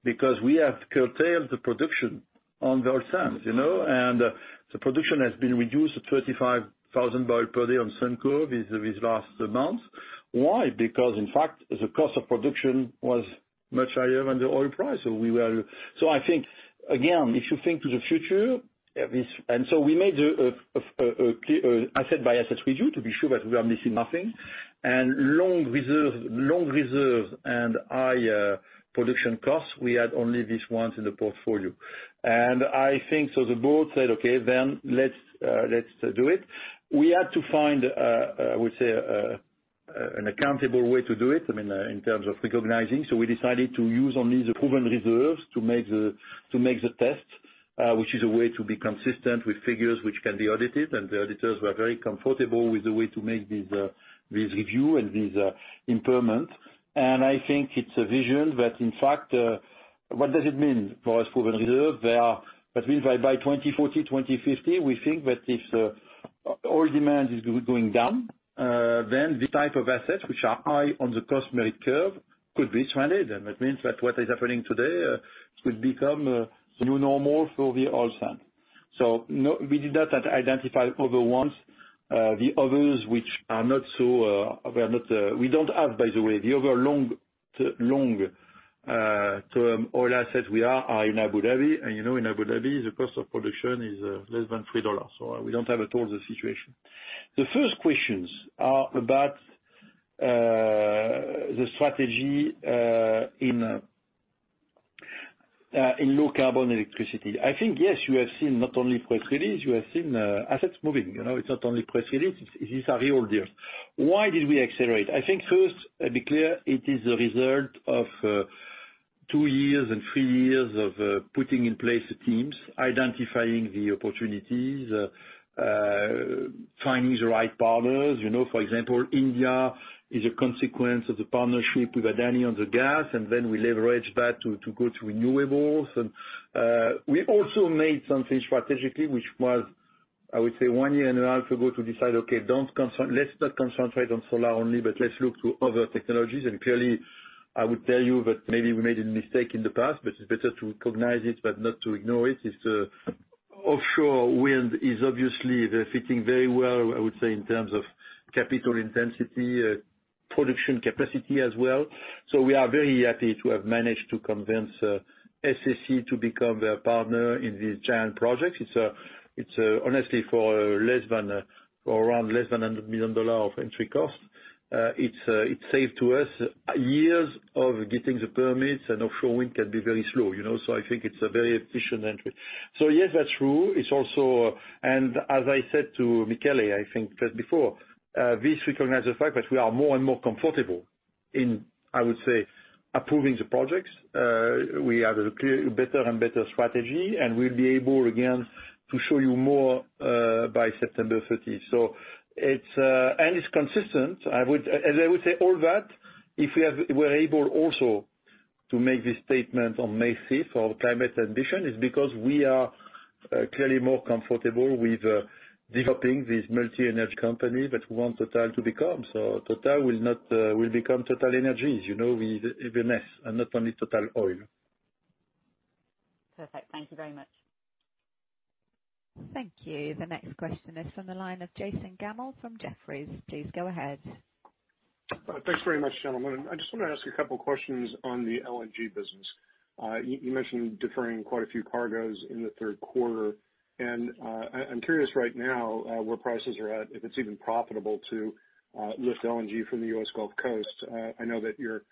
because we have curtailed the production on the oil sands. The production has been reduced to 35,000 barrels per day on Surmont these last months. Why? Because, in fact, the cost of production was much higher than the oil price. I think, again, if you think to the future, we made an asset by asset review to be sure that we are missing nothing, and long reserve and high production costs, we had only these ones in the portfolio. I think the board said, "Okay, let's do it." We had to find, I would say, an accountable way to do it, in terms of recognizing. We decided to use only the proven reserves to make the tests, which is a way to be consistent with figures which can be audited, and the auditors were very comfortable with the way to make this review and this impairment. I think it's a vision that, in fact, what does it mean for us, proven reserve? That means by 2040, 2050, we think that if oil demand is going down, then the type of assets which are high on the cost merit curve could be stranded. That means that what is happening today, will become the new normal for the oil sands. We did that, identify other ones. We don't have, by the way, the other long-term oil assets we have are in Abu Dhabi. You know, in Abu Dhabi, the cost of production is less than $3. We don't have at all the situation. The first questions are about the strategy in low carbon electricity. I think, yes, you have seen not only press release, you have seen assets moving. It's not only press release, this is a real deal. Why did we accelerate? I think first, be clear, it is a result of two years and three years of putting in place the teams, identifying the opportunities, finding the right partners. For example, India is a consequence of the partnership with Adani on the gas, then we leverage that to go to renewables. We also made something strategically, which was, I would say, one year and a half ago, to decide, okay, let's not concentrate on solar only, but let's look to other technologies. Clearly, I would tell you that maybe we made a mistake in the past, but it's better to recognize it, but not to ignore it. It's offshore wind is obviously, they're fitting very well, I would say, in terms of capital intensity, production capacity as well. We are very happy to have managed to convince SSE to become a partner in this giant project. It's honestly for around less than EUR 100 million of entry cost. It saved us years of getting the permits, and offshoring can be very slow. I think it's a very efficient entry. Yes, that's true. It's also, and as I said to Michele, I think that before, this recognizes the fact that we are more and more comfortable in, I would say, approving the projects. We have a better and better strategy, we'll be able, again, to show you more by September 30th. It's consistent. As I would say all that, if we're able also to make this statement on May 5th of climate ambition, is because we are clearly more comfortable with developing this multi-energy company that we want Total to become. Total will become TotalEnergies, with an S and not only Total Oil. Perfect. Thank you very much. Thank you. The next question is from the line of Jason Gammel from Jefferies. Please go ahead. Thanks very much, gentlemen. I just want to ask a couple questions on the LNG business. You mentioned deferring quite a few cargoes in the third quarter. I'm curious right now where prices are at, if it's even profitable to lift LNG from the U.S. Gulf Coast. I know that your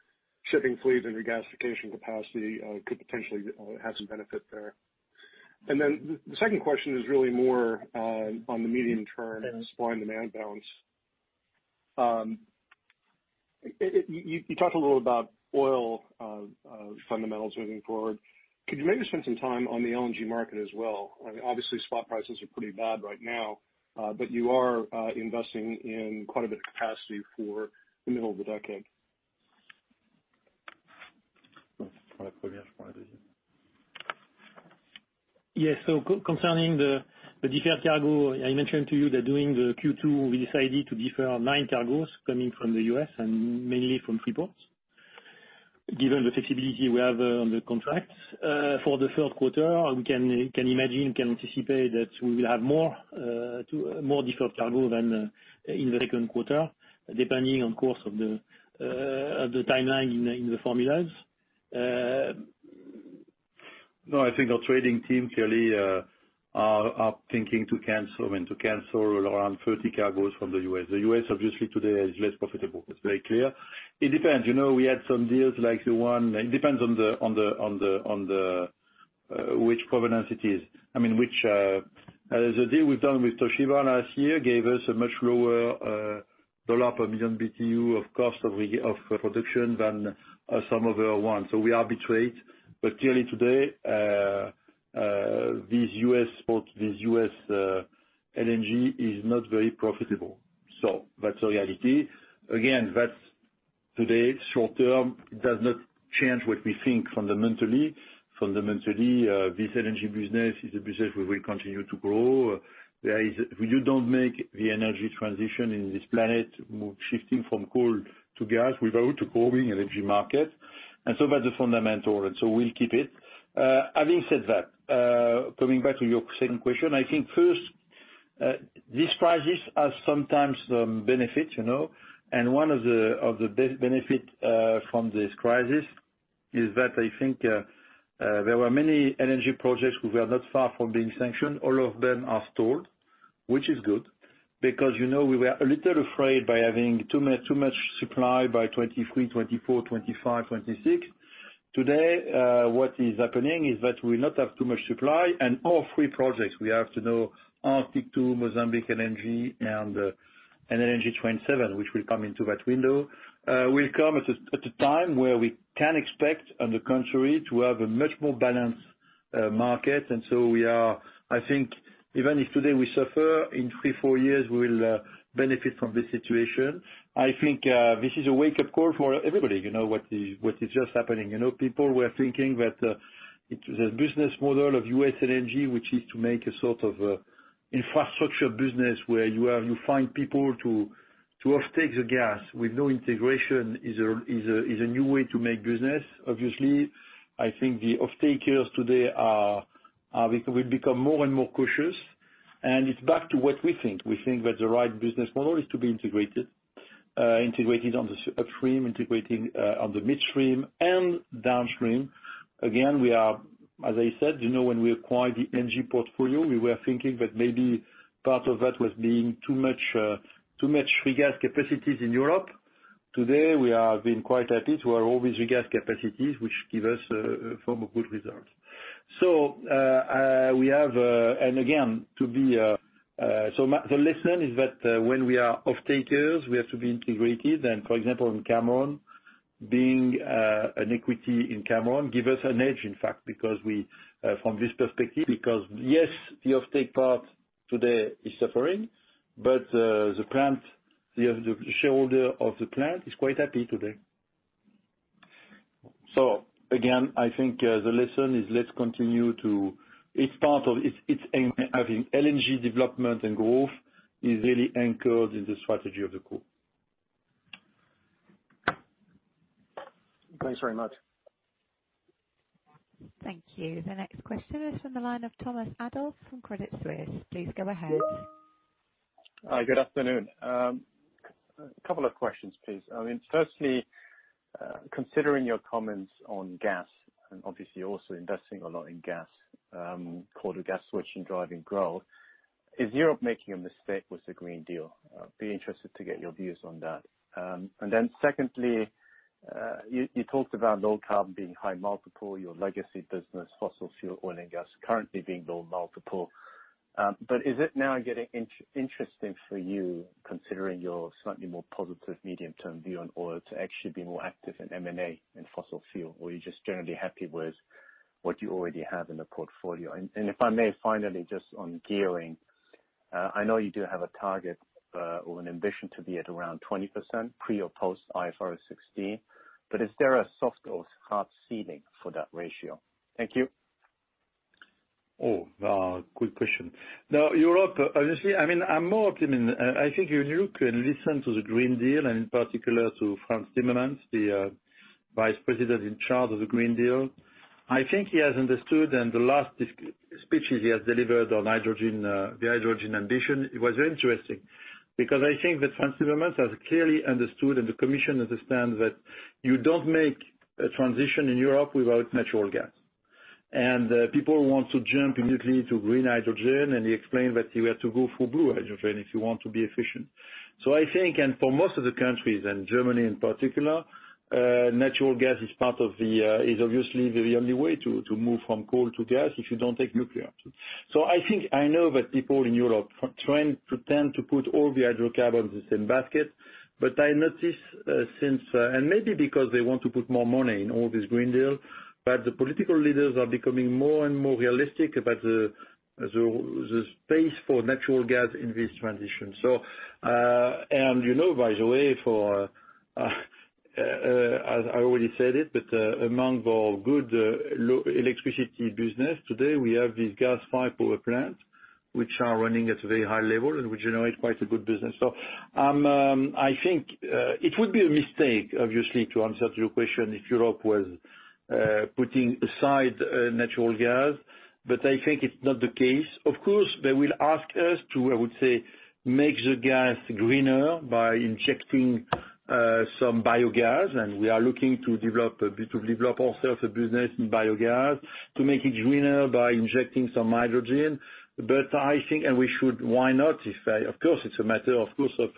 shipping fleets and regasification capacity could potentially have some benefit there. Then the second question is really more on the medium term supply and demand balance. You talked a little about oil fundamentals moving forward. Could you maybe spend some time on the LNG market as well? Obviously, spot prices are pretty bad right now. You are investing in quite a bit of capacity for the middle of the decade. Yes. Concerning the deferred cargo, I mentioned to you that during the Q2, we decided to defer nine cargoes coming from the U.S. and mainly from three ports, given the flexibility we have on the contracts. For the third quarter, we can anticipate that we will have more deferred cargo than in the second quarter, depending on course of the timeline in the formulas. No, I think our trading team clearly are thinking to cancel around 30 cargoes from the U.S. The U.S., obviously, today is less profitable. It's very clear. It depends. We had some deals like the one It depends on the which provenance it is. The deal we've done with Toshiba last year gave us a much lower dollar per million BTU of cost of production than some other ones. We arbitrate. Clearly today, this U.S. LNG is not very profitable. That's the reality. Again, that's today, short term. It does not change what we think fundamentally. Fundamentally, this LNG business is a business where we continue to grow. There is, you don't make the energy transition in this planet, shifting from coal to gas without a growing energy market. That's the fundamental. We'll keep it. Having said that, coming back to your second question, I think first, these crises have sometimes benefits. One of the benefits from this crisis is that I think there were many LNG projects who were not far from being sanctioned. All of them are stalled, which is good, because we were a little afraid by having too much supply by 2023, 2024, 2025, 2026. Today, what is happening is that we not have too much supply and all three projects, we have to know Arctic-2, Mozambique LNG, and NLNG Train 7, which will come into that window, will come at a time where we can expect, on the contrary, to have a much more balanced market. I think even if today we suffer, in three, four years, we will benefit from this situation. I think this is a wake-up call for everybody, what is just happening. People were thinking that the business model of U.S. LNG, which is to make a sort of infrastructure business where you find people to off-take the gas with no integration, is a new way to make business, obviously. I think the off-takers today will become more and more cautious. It's back to what we think. We think that the right business model is to be integrated on the upstream, integrated on the midstream and downstream. As I said, when we acquired the energy portfolio, we were thinking that maybe part of that was being too much regas capacities in Europe. Today, we have been quite happy to have all these regas capacities, which give us a form of good results. The lesson is that when we are off-takers, we have to be integrated. For example, in Cameroon, being an equity in Cameroon gives us an edge, in fact, from this perspective, because yes, the off-take part today is suffering. The shareholder of the plant is quite happy today. Again, I think the lesson is let's continue. Having LNG development and growth is really anchored in the strategy of the group. Thanks very much. Thank you. The next question is from the line of Thomas Adolff from Credit Suisse. Please go ahead. Hi, good afternoon. A couple of questions, please. Firstly, considering your comments on gas, obviously you're also investing a lot in gas, coal to gas switch and driving growth, is Europe making a mistake with the Green Deal? I'd be interested to get your views on that. Secondly, you talked about low carbon being high multiple, your legacy business, fossil fuel, oil and gas currently being low multiple. Is it now getting interesting for you, considering your slightly more positive medium-term view on oil, to actually be more active in M&A in fossil fuel? Are you just generally happy with what you already have in the portfolio? If I may, finally, just on gearing, I know you do have a target or an ambition to be at around 20% pre or post IFRS 16, but is there a soft or hard ceiling for that ratio? Thank you. Good question. Europe, obviously, I'm more optimistic. I think if you can listen to the Green Deal and in particular to Frans Timmermans, the Vice President in charge of the Green Deal. I think he has understood, and the last speeches he has delivered on the hydrogen ambition, it was very interesting, because I think that Frans Timmermans has clearly understood and the Commission understands that you don't make a transition in Europe without natural gas. People want to jump immediately to green hydrogen, and he explained that you have to go for blue hydrogen if you want to be efficient. I think, and for most of the countries, and Germany in particular, natural gas is obviously the only way to move from coal to gas if you don't take nuclear. I think I know that people in Europe pretend to put all the hydrocarbons in the same basket, but I notice since, and maybe because they want to put more money in all this Green Deal, but the political leaders are becoming more and more realistic about the space for natural gas in this transition. I already said it, but among our good electricity business today, we have these gas fire power plants, which are running at a very high level and which generate quite a good business. I think it would be a mistake, obviously, to answer to your question, if Europe was putting aside natural gas, but I think it's not the case. Of course, they will ask us to, I would say, make the gas greener by injecting some biogas, and we are looking to develop ourselves a business in biogas to make it greener by injecting some hydrogen. I think, and we should, why not? Of course, it's a matter, of course, of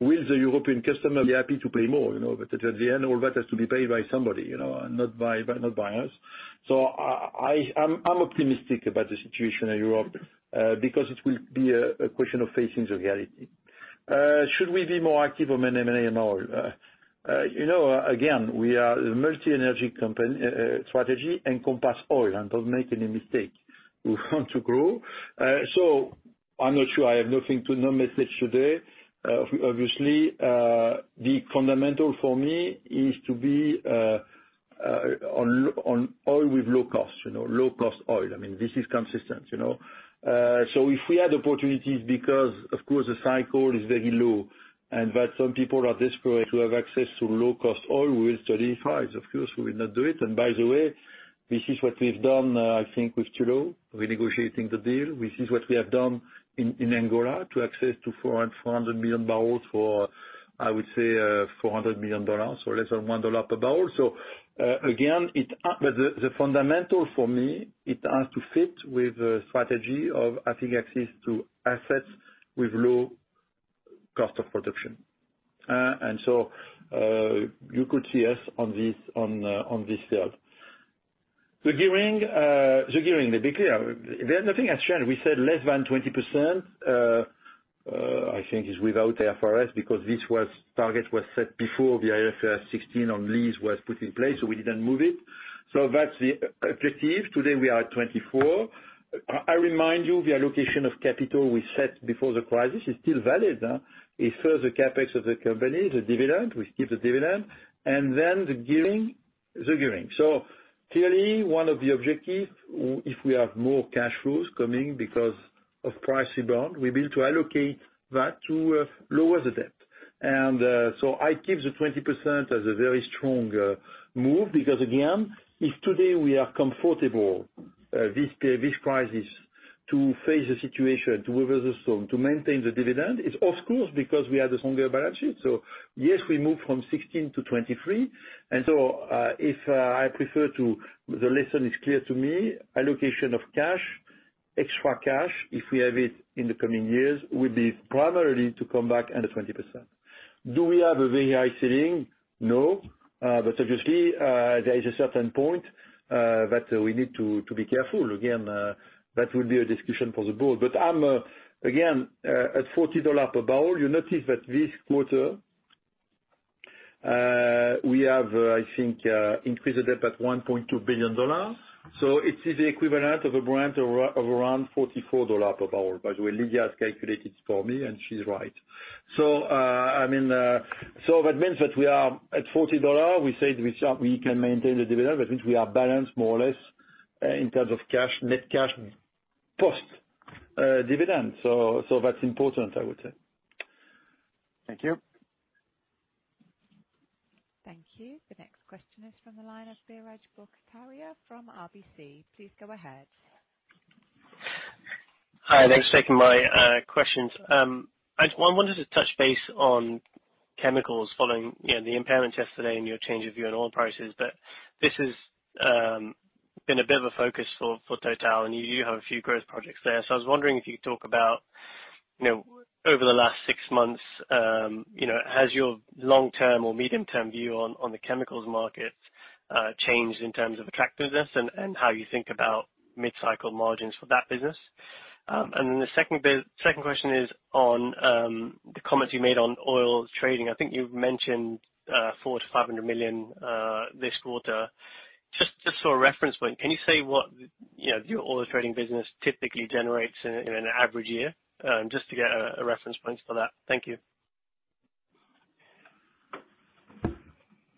will the European customer be happy to pay more? At the end, all that has to be paid by somebody, not by us. I'm optimistic about the situation in Europe, because it will be a question of facing the reality. Should we be more active on M&A and oil? Again, we are a multi-energy strategy, encompass oil, and don't make any mistake. We want to grow. I'm not sure. I have no message today. Obviously, the fundamental for me is to be on oil with low cost, low cost oil. This is consistent. If we had opportunities, because of course the cycle is very low and that some people are desperate to have access to low cost oil, we will study it. Of course, we will not do it. By the way, this is what we've done, I think with Tullow, renegotiating the deal. This is what we have done in Angola to access to 400 million barrels for, I would say, $400 million or less than $1 per barrel. Again, the fundamental for me, it has to fit with the strategy of having access to assets with low cost of production. You could see us on this sale. The gearing, let me be clear. There nothing has changed. We said less than 20%, I think is without IFRS, because this target was set before the IFRS 16 on lease was put in place, we didn't move it. That's the objective. Today, we are at 24. I remind you, the allocation of capital we set before the crisis is still valid. It serves the CapEx of the company, the dividend, we keep the dividend, and then the gearing. Clearly one of the objectives, if we have more cash flows coming because of pricey Brent, we build to allocate that to lower the debt. I keep the 20% as a very strong move because again, if today we are comfortable, with prices to face the situation, to weather the storm, to maintain the dividend, it's of course because we have a stronger balance sheet. Yes, we move from 16-23. If I prefer to, the lesson is clear to me, allocation of cash, extra cash, if we have it in the coming years, will be primarily to come back under 20%. Do we have a very high ceiling? No. Obviously, there is a certain point, that we need to be careful. Again, that will be a discussion for the board. I'm, again, at $40 per barrel, you notice that this quarter, we have, I think, increased the debt at $1.2 billion. It is the equivalent of a Brent of around $44 per barrel. By the way, Lydia has calculated for me, and she's right. That means that we are at $40. We said we can maintain the dividend. That means we are balanced more or less, in terms of cash, net cash post dividend. That's important, I would say. Thank you. Thank you. The next question is from the line of Biraj Borkhataria from RBC. Please go ahead. Hi, thanks for taking my questions. I wanted to touch base on chemicals following the impairment yesterday and your change of view on oil prices. This has been a bit of a focus for Total, and you do have a few growth projects there. I was wondering if you could talk about, over the last six months, has your long-term or medium-term view on the chemicals markets changed in terms of attractiveness and how you think about mid-cycle margins for that business? The second question is on the comments you made on oil trading. I think you've mentioned $400 million-$500 million this quarter. Just for a reference point, can you say what your oil trading business typically generates in an average year? Just to get a reference point for that. Thank you.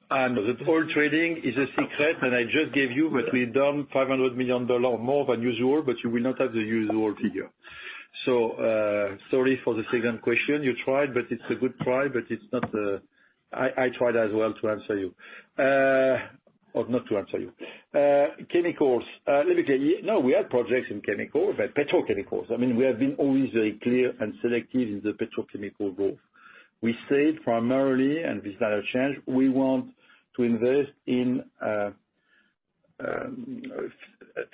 The oil trading is a secret, and I just gave you what we've done, $500 million, more than usual, but you will not have the usual figure. Sorry for the second question. You tried, but it's a good try, but it's not I tried as well to answer you. Not to answer you. Chemicals. Let me tell you. No, we have projects in chemicals, but petrochemicals. We have been always very clear and selective in the petrochemical growth. We said primarily, and this does not change, we want to invest in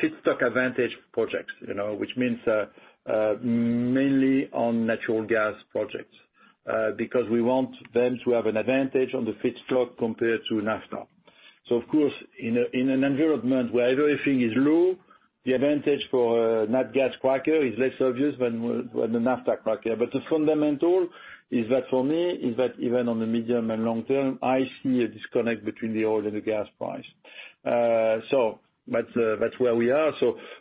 feedstock advantage projects. Which means, mainly on natural gas projects. Because we want them to have an advantage on the feedstock compared to naphtha. Of course, in an environment where everything is low, the advantage for natural gas cracker is less obvious than the naphtha cracker. The fundamental is that for me, is that even on the medium and long term, I see a disconnect between the oil and the gas price. That's where we are.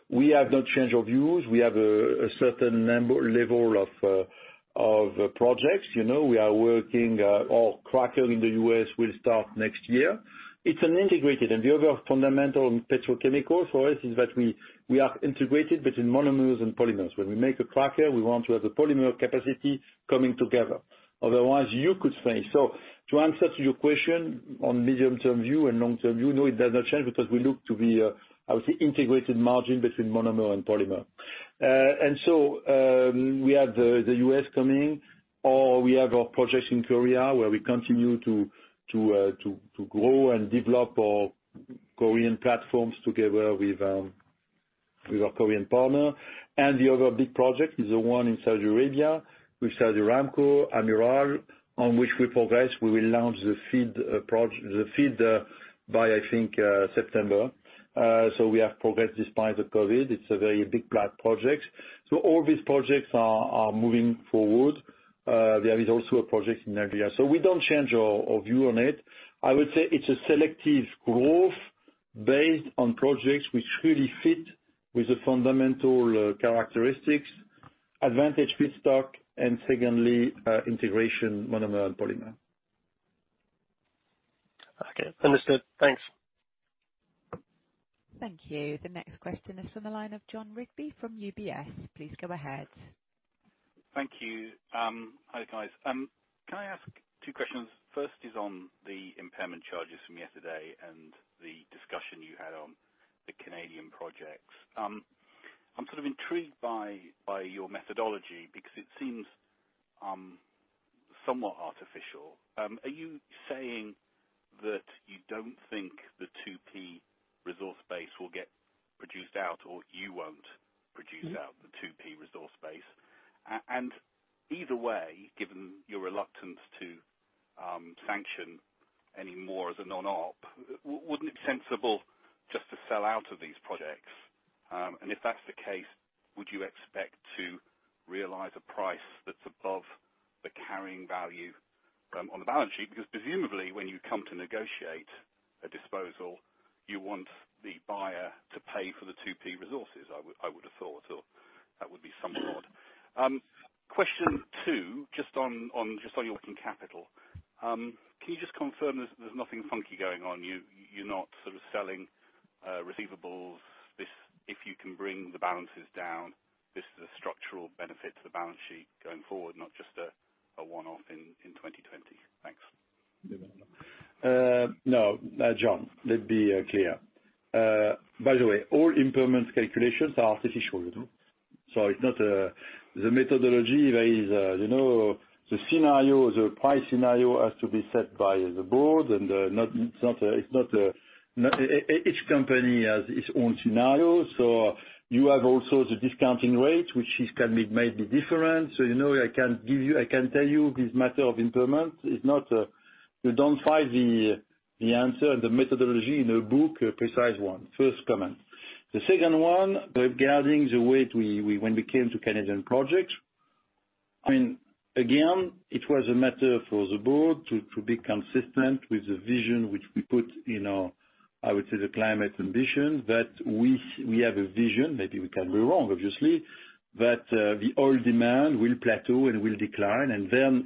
We have no change of views. We have a certain level of projects. We are working, our cracker in the U.S. will start next year. It's integrated. The other fundamental in petrochemical for us is that we are integrated between monomers and polymers. When we make a cracker, we want to have the polymer capacity coming together. Otherwise, you could face. To answer to your question on medium-term view and long-term view, no, it does not change because we look to the, I would say, integrated margin between monomer and polymer. We have the U.S. coming, or we have our projects in Korea where we continue to grow and develop our Korean platforms together with our Korean partner. The other big project is the one in Saudi Arabia with Saudi Aramco, Amiral, on which we progress. We will launch the feed by, I think, September. We have progressed despite the COVID. It is a very big, broad project. All these projects are moving forward. There is also a project in Algeria. We don't change our view on it. I would say it is a selective growth based on projects which really fit with the fundamental characteristics: Advantage feedstock, and secondly, integration, monomer and polymer. Okay. Understood. Thanks. Thank you. The next question is from the line of Jon Rigby from UBS. Please go ahead. Thank you. Hi, guys. Can I ask two questions? First is on the impairment charges from yesterday and the discussion you had on the Canadian projects. I'm sort of intrigued by your methodology because it seems somewhat artificial. Are you saying that you don't think the 2P resource base will get produced out, or you won't produce out the 2P resource base? Either way, given your reluctance to sanction any more as a non-op, wouldn't it be sensible just to sell out of these projects? If that's the case, would you expect to realize a price that's above the carrying value, on the balance sheet? Presumably, when you come to negotiate a disposal, you want the buyer to pay for the 2P resources, I would have thought. That would be somewhat odd. Question two, just on working capital. Can you just confirm there's nothing funky going on? You're not sort of selling receivables, if you can bring the balances down, this is a structural benefit to the balance sheet going forward, not just a one-off in 2020. Thanks. No. Jon, let's be clear. By the way, all impairment calculations are artificial, you know. It's not the methodology. The price scenario has to be set by the board, and each company has its own scenario. You have also the discounting rate, which can be, might be different. I can tell you this matter of impairment, you don't find the answer and the methodology in a book, a precise one. First comment. The second one, regarding the weight, when we came to Canadian project, again, it was a matter for the board to be consistent with the vision which we put in our, I would say, the climate ambition. That we have a vision. Maybe we can be wrong, obviously, but the oil demand will plateau and will decline.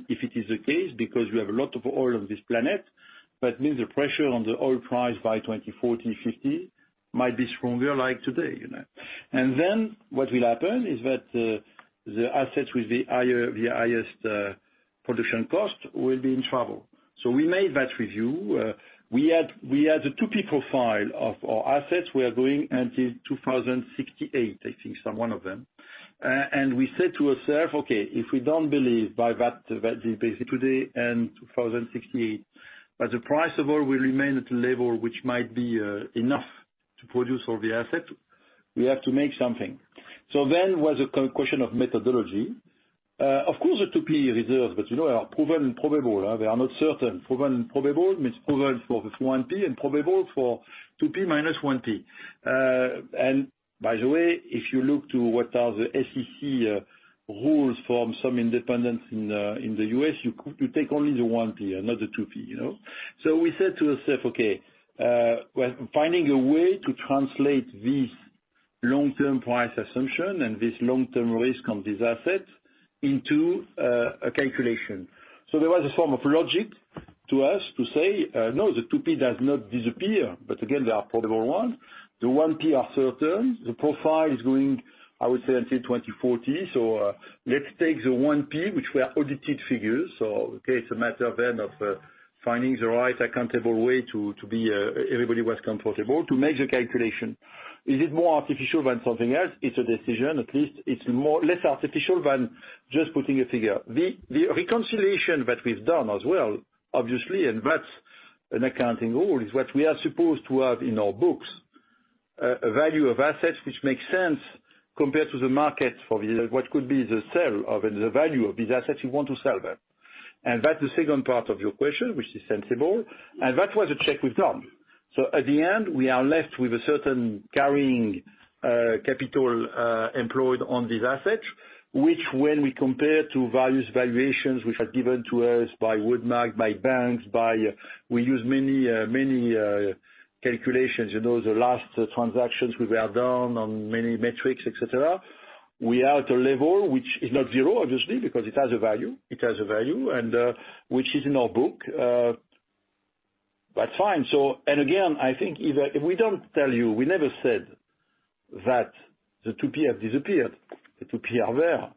If it is the case, because we have a lot of oil on this planet, that means the pressure on the oil price by 2040, 2050, might be stronger like today. What will happen is that, the assets with the highest production cost will be in trouble. We made that review. We had the 2P profile of our assets. We are going until 2068, I think, some, one of them. We said to ourselves, "Okay, if we don't believe by that, basically today and 2068, that the price of oil will remain at a level which might be enough to produce all the assets, we have to make something." It was a question of methodology. Of course, the 2P reserves, but you know, are proven and probable. They are not certain. Proven and probable means proven for 1P and probable for 2P minus 1P. By the way, if you look to what are the SEC rules from some independents in the U.S., you take only the 1P and not the 2P. We said to ourselves, "Okay, we're finding a way to translate this long-term price assumption and this long-term risk on this asset into a calculation." There was a form of logic to us to say, "No, the 2P does not disappear." Again, they are probable ones. The 1P are certain. The profile is going, I would say, until 2040. Let's take the 1P, which were audited figures. Okay, it's a matter then of finding the right accountable way to be everybody was comfortable to make the calculation. Is it more artificial than something else? It's a decision. At least it's less artificial than just putting a figure. The reconciliation that we've done as well, obviously, and that's an accounting rule, is what we are supposed to have in our books. A value of assets which makes sense compared to the market for what could be the sale of and the value of these assets you want to sell that. That's the second part of your question, which is sensible. That was a check we've done. At the end, we are left with a certain carrying capital employed on these assets, which when we compare to values, valuations which are given to us by WoodMac, by banks. We use many calculations. The last transactions which were done on many metrics, et cetera. We are at a level which is not zero, obviously, because it has a value, and which is in our book. That's fine. Again, I think if we don't tell you, we never said that the 2P have disappeared. The 2P are there.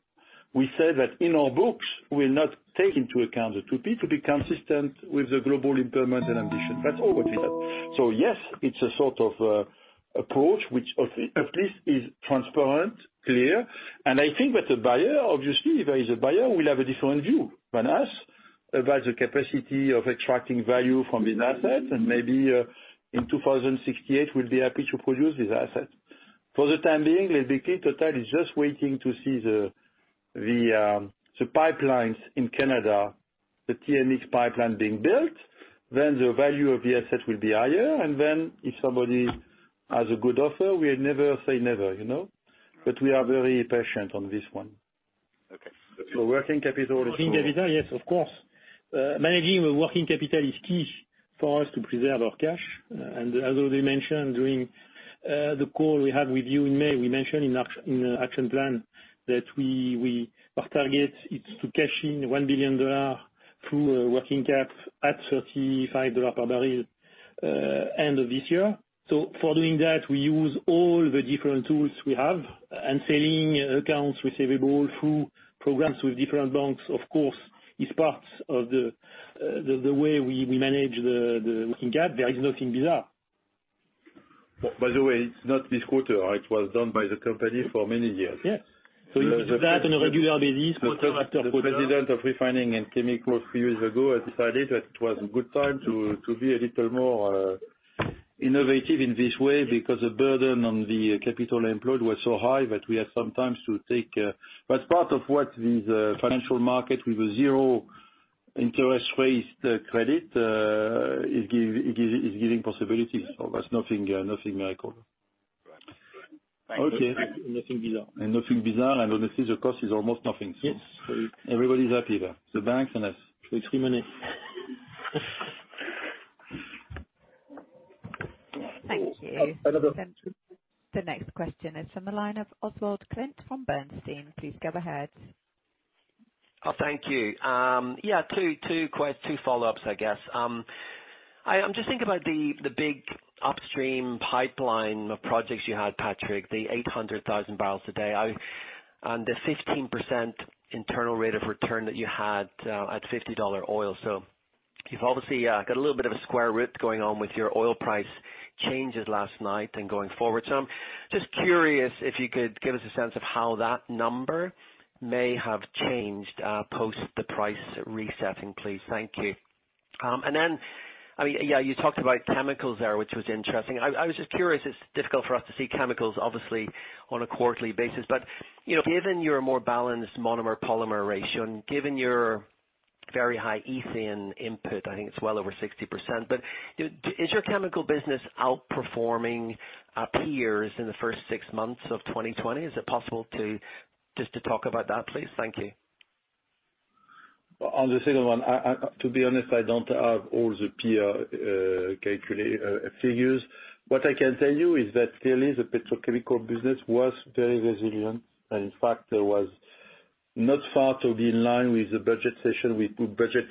We said that in our books, we'll not take into account the 2P to be consistent with the global impairment and ambition. That's all what we said. Yes, it's a sort of approach, which of at least is transparent, clear, and I think that the buyer, obviously, if there is a buyer, will have a different view than us about the capacity of extracting value from these assets and maybe, in 2068, we'll be happy to produce this asset. For the time being, the key, Total is just waiting to see the pipelines in Canada, the TMX pipeline being built, then the value of the asset will be higher. Then if somebody has a good offer, we'll never say never. We are very patient on this one. Okay. Working capital. Working capital, yes, of course. Managing the working capital is key for us to preserve our cash. As already mentioned during the call we had with you in May, we mentioned in the action plan that our target is to cash in $1 billion through a working cap at $35 per barrel end of this year. For doing that, we use all the different tools we have. Selling accounts receivable through programs with different banks, of course, is part of the way we manage the working cap. There is nothing bizarre. By the way, it's not this quarter. It was done by the company for many years. Yes. We do that on a regular basis, quarter after quarter. The President of Refining and Chemicals a few years ago, decided that it was a good time to be a little more innovative in this way because the burden on the capital employed was so high that we had sometimes to take That's part of what this financial market, with a zero interest rate credit, is giving possibilities. That's nothing miracle. Right. Okay. Nothing bizarre. Nothing bizarre, and honestly, the cost is almost nothing. Yes. Everybody's happy there, the banks and us. It's free money. Thank you. Another. The next question is from the line of Oswald Clint from Bernstein. Please go ahead. Oh, thank you. Yeah, two follow-ups, I guess. I'm just thinking about the big upstream pipeline of projects you had, Patrick, the 800,000 barrels a day and the 15% internal rate of return that you had at $50 oil. You've obviously got a little bit of a square root going on with your oil price changes last night and going forward. I'm just curious if you could give us a sense of how that number may have changed, post the price resetting, please. Thank you. You talked about chemicals there, which was interesting. I was just curious, it's difficult for us to see chemicals obviously on a quarterly basis. Given your more balanced monomer-polymer ratio and given your very high ethane input, I think it's well over 60%. Is your chemical business outperforming our peers in the first six months of 2020? Is it possible just to talk about that, please? Thank you. On the second one, to be honest, I don't have all the peer figures. What I can tell you is that clearly the petrochemical business was very resilient. In fact, was not far to be in line with the budget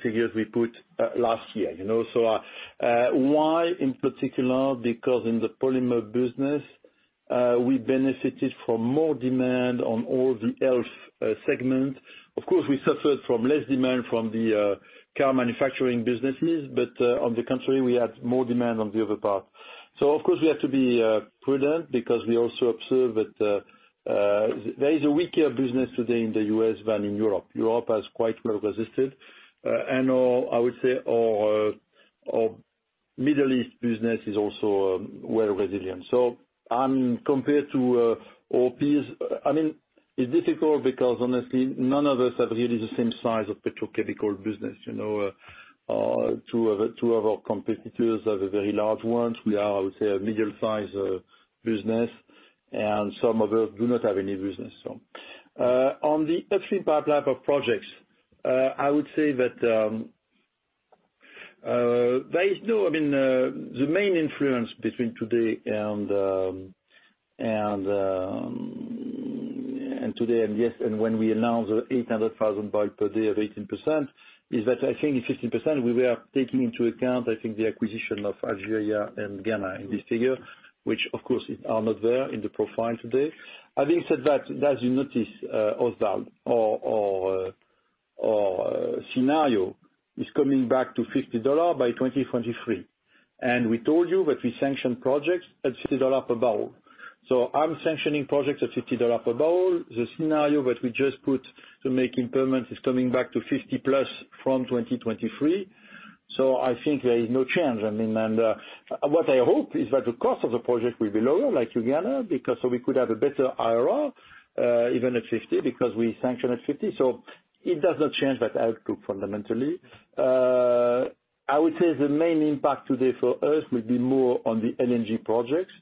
figures we put last year. Why in particular? Because in the polymer business, we benefited from more demand on all the health segments. Of course, we suffered from less demand from the car manufacturing businesses. On the contrary, we had more demand on the other part. Of course, we have to be prudent because we also observe that there is a weaker business today in the U.S. than in Europe. Europe has quite well resisted. I would say, our Middle East business is also well resilient. Compared to our peers, it's difficult because honestly, none of us have really the same size of petrochemical business. Two of our competitors are the very large ones. We are, I would say, a middle-sized business and some others do not have any business. On the upstream pipeline of projects, I would say that the main influence between today and when we announce the 800,000 barrels per day of 18%, is that I think the 15%, we were taking into account, I think the acquisition of Algeria and Ghana in this figure, which of course are not there in the profile today. Having said that, as you notice, Oswald, our scenario is coming back to $50 by 2023. We told you that we sanction projects at $50 per barrel. I'm sanctioning projects at $50 per barrel. The scenario that we just put to make improvements is coming back to $50+ from 2023. I think there is no change. What I hope is that the cost of the project will be lower, like Uganda, so we could have a better IRR, even at $50, because we sanction at $50. It does not change that outlook fundamentally. I would say the main impact today for us will be more on the LNG projects,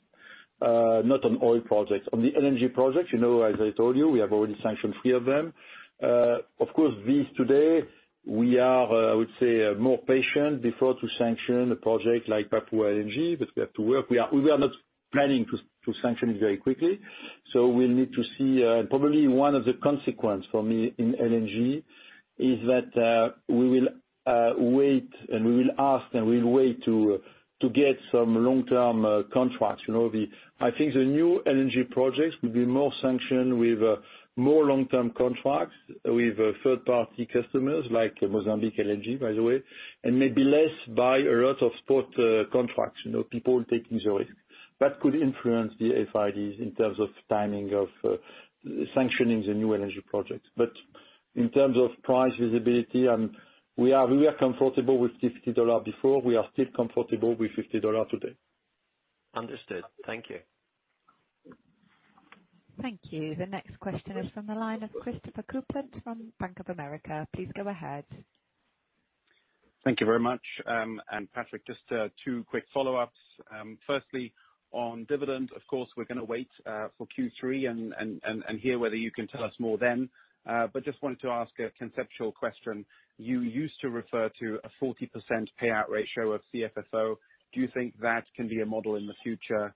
not on oil projects. On the LNG projects, as I told you, we have already sanctioned three of them. Of course, these today, we are, I would say, more patient before to sanction a project like Papua LNG that we have to work. We are not planning to sanction it very quickly. We'll need to see. Probably one of the consequence for me in LNG is that we will wait and we will ask and we'll wait to get some long-term contracts. I think the new LNG projects will be more sanctioned with more long-term contracts with third-party customers, like Mozambique LNG, by the way, and maybe less by a lot of spot contracts, people taking the risk. That could influence the FIDs in terms of timing of sanctioning the new LNG projects. In terms of price visibility, we were comfortable with $50 before. We are still comfortable with $50 today. Understood. Thank you. Thank you. The next question is from the line of Christopher Kuplent from Bank of America. Please go ahead. Thank you very much. Patrick, just two quick follow-ups. Firstly, on dividend, of course, we're going to wait for Q3 and hear whether you can tell us more then. Just wanted to ask a conceptual question. You used to refer to a 40% payout ratio of CFFO. Do you think that can be a model in the future,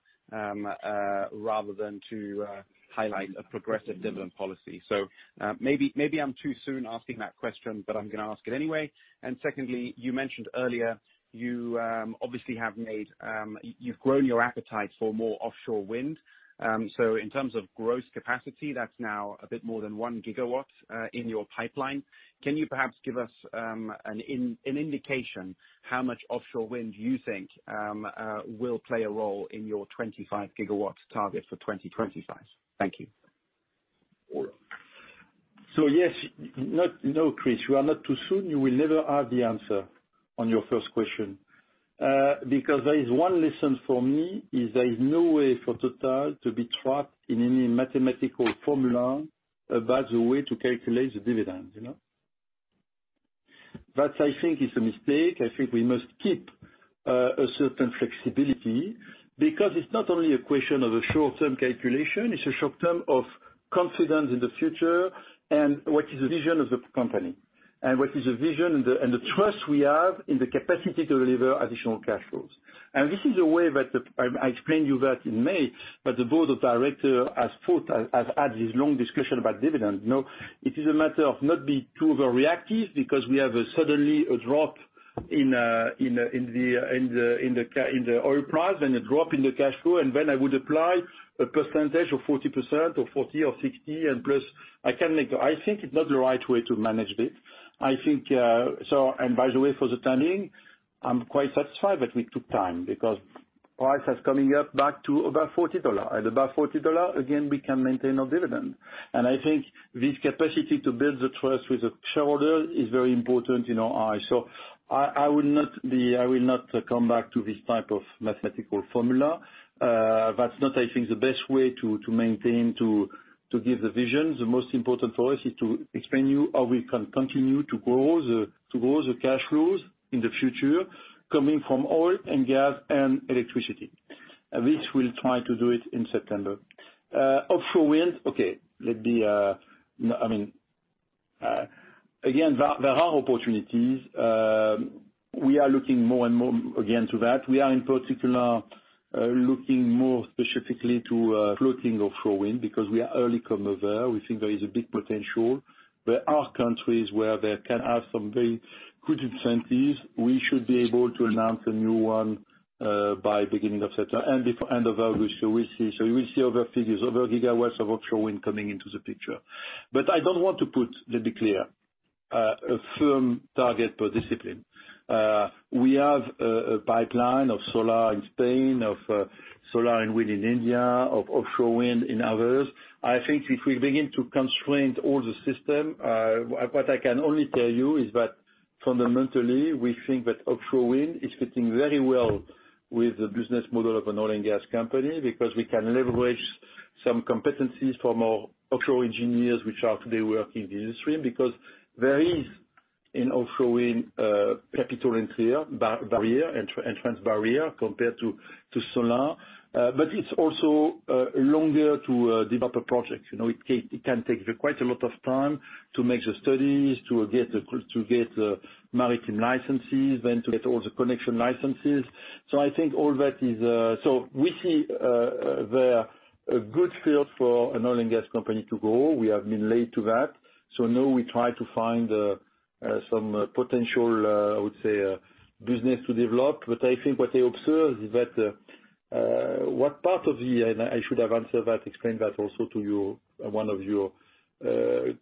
rather than to highlight a progressive dividend policy? Maybe I'm too soon asking that question, I'm going to ask it anyway. Secondly, you mentioned earlier, you've grown your appetite for more offshore wind. In terms of gross capacity, that's now a bit more than 1 GW in your pipeline. Can you perhaps give us an indication how much offshore wind you think will play a role in your 25 GW target for 2025? Thank you. No, Chris, you are not too soon. You will never have the answer on your first question. There is one lesson for me, is there is no way for Total to be trapped in any mathematical formula about the way to calculate the dividend. That, I think, is a mistake. I think we must keep a certain flexibility, because it is not only a question of a short-term calculation, it is a short-term of confidence in the future and what is the vision of the company. What is the vision and the trust we have in the capacity to deliver additional cash flows. This is a way that, I explained you that in May, that the board of director has had this long discussion about dividend. No, it is a matter of not being too overreactive because we have suddenly a drop in the oil price and a drop in the cash flow. When I would apply a percentage of 40% or 40% or 60%, and plus, I think it's not the right way to manage this. By the way, for the timing, I'm quite satisfied that we took time, because price has coming up back to above $40. At above $40, again, we can maintain our dividend. I think this capacity to build the trust with the shareholder is very important in our eyes. I will not come back to this type of mathematical formula. That's not, I think, the best way to maintain, to give the vision. The most important for us is to explain to you how we can continue to grow the cash flows in the future, coming from oil and gas and electricity. This, we'll try to do it in September. Offshore wind. Okay. Again, there are opportunities. We are looking more and more, again, to that. We are, in particular, looking more specifically to floating offshore wind because we are early comer. We think there is a big potential. There are countries where there can have some very good incentives. We should be able to announce a new one by beginning of September and before end of August. We'll see other figures, other gigawatts of offshore wind coming into the picture. I don't want to put, let me be clear, a firm target per discipline. We have a pipeline of solar in Spain, of solar and wind in India, of offshore wind in others. I think if we begin to constrain all the system, what I can only tell you is that fundamentally, we think that offshore wind is fitting very well with the business model of an oil and gas company, because we can leverage some competencies from our offshore engineers, which are today working the industry. There is an offshore wind capital entrance barrier compared to solar. It's also longer to develop a project. It can take quite a lot of time to make the studies, to get the maritime licenses, then to get all the connection licenses. We see there a good field for an oil and gas company to grow. We have been late to that. Now we try to find some potential, I would say, business to develop. I think what I observe is that, I should have answered that, explained that, also to you, one of your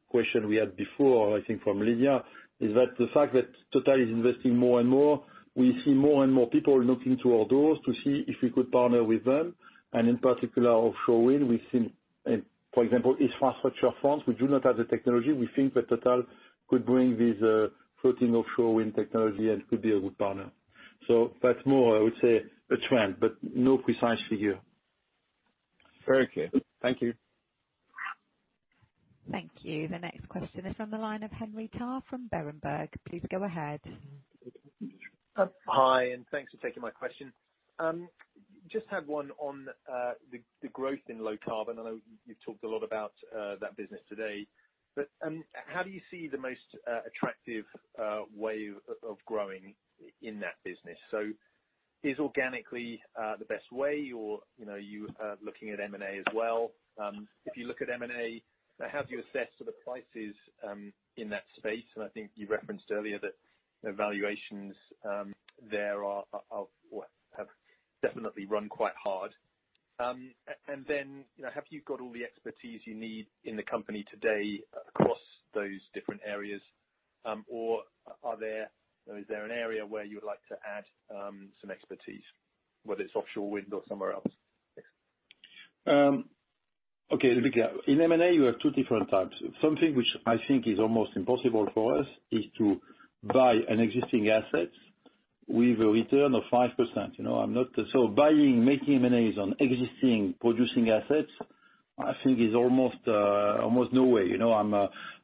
questions we had before, I think from Lydia, is that the fact that TotalEnergies is investing more and more. We see more and more people knocking to our doors to see if we could partner with them. In particular, offshore wind, we've seen, for example, Infrastructure Fund, we do not have the technology. We think that TotalEnergies could bring this floating offshore wind technology and could be a good partner. That's more, I would say, a trend, but no precise figure. Very clear. Thank you. Thank you. The next question is on the line of Henry Tarr from Berenberg. Please go ahead. Hi, thanks for taking my question. Just had one on the growth in low carbon. I know you've talked a lot about that business today. How do you see the most attractive way of growing in that business? Is organically the best way or you are looking at M&A as well? If you look at M&A, how do you assess the prices in that space? I think you referenced earlier that valuations there have definitely run quite hard. Have you got all the expertise you need in the company today across those different areas? Is there an area where you would like to add some expertise, whether it's offshore wind or somewhere else? Thanks. Okay. Let me be clear. In M&A, you have two different types. Something which I think is almost impossible for us is to buy an existing asset with a return of 5%. Buying, making M&As on existing producing assets, I think is almost no way.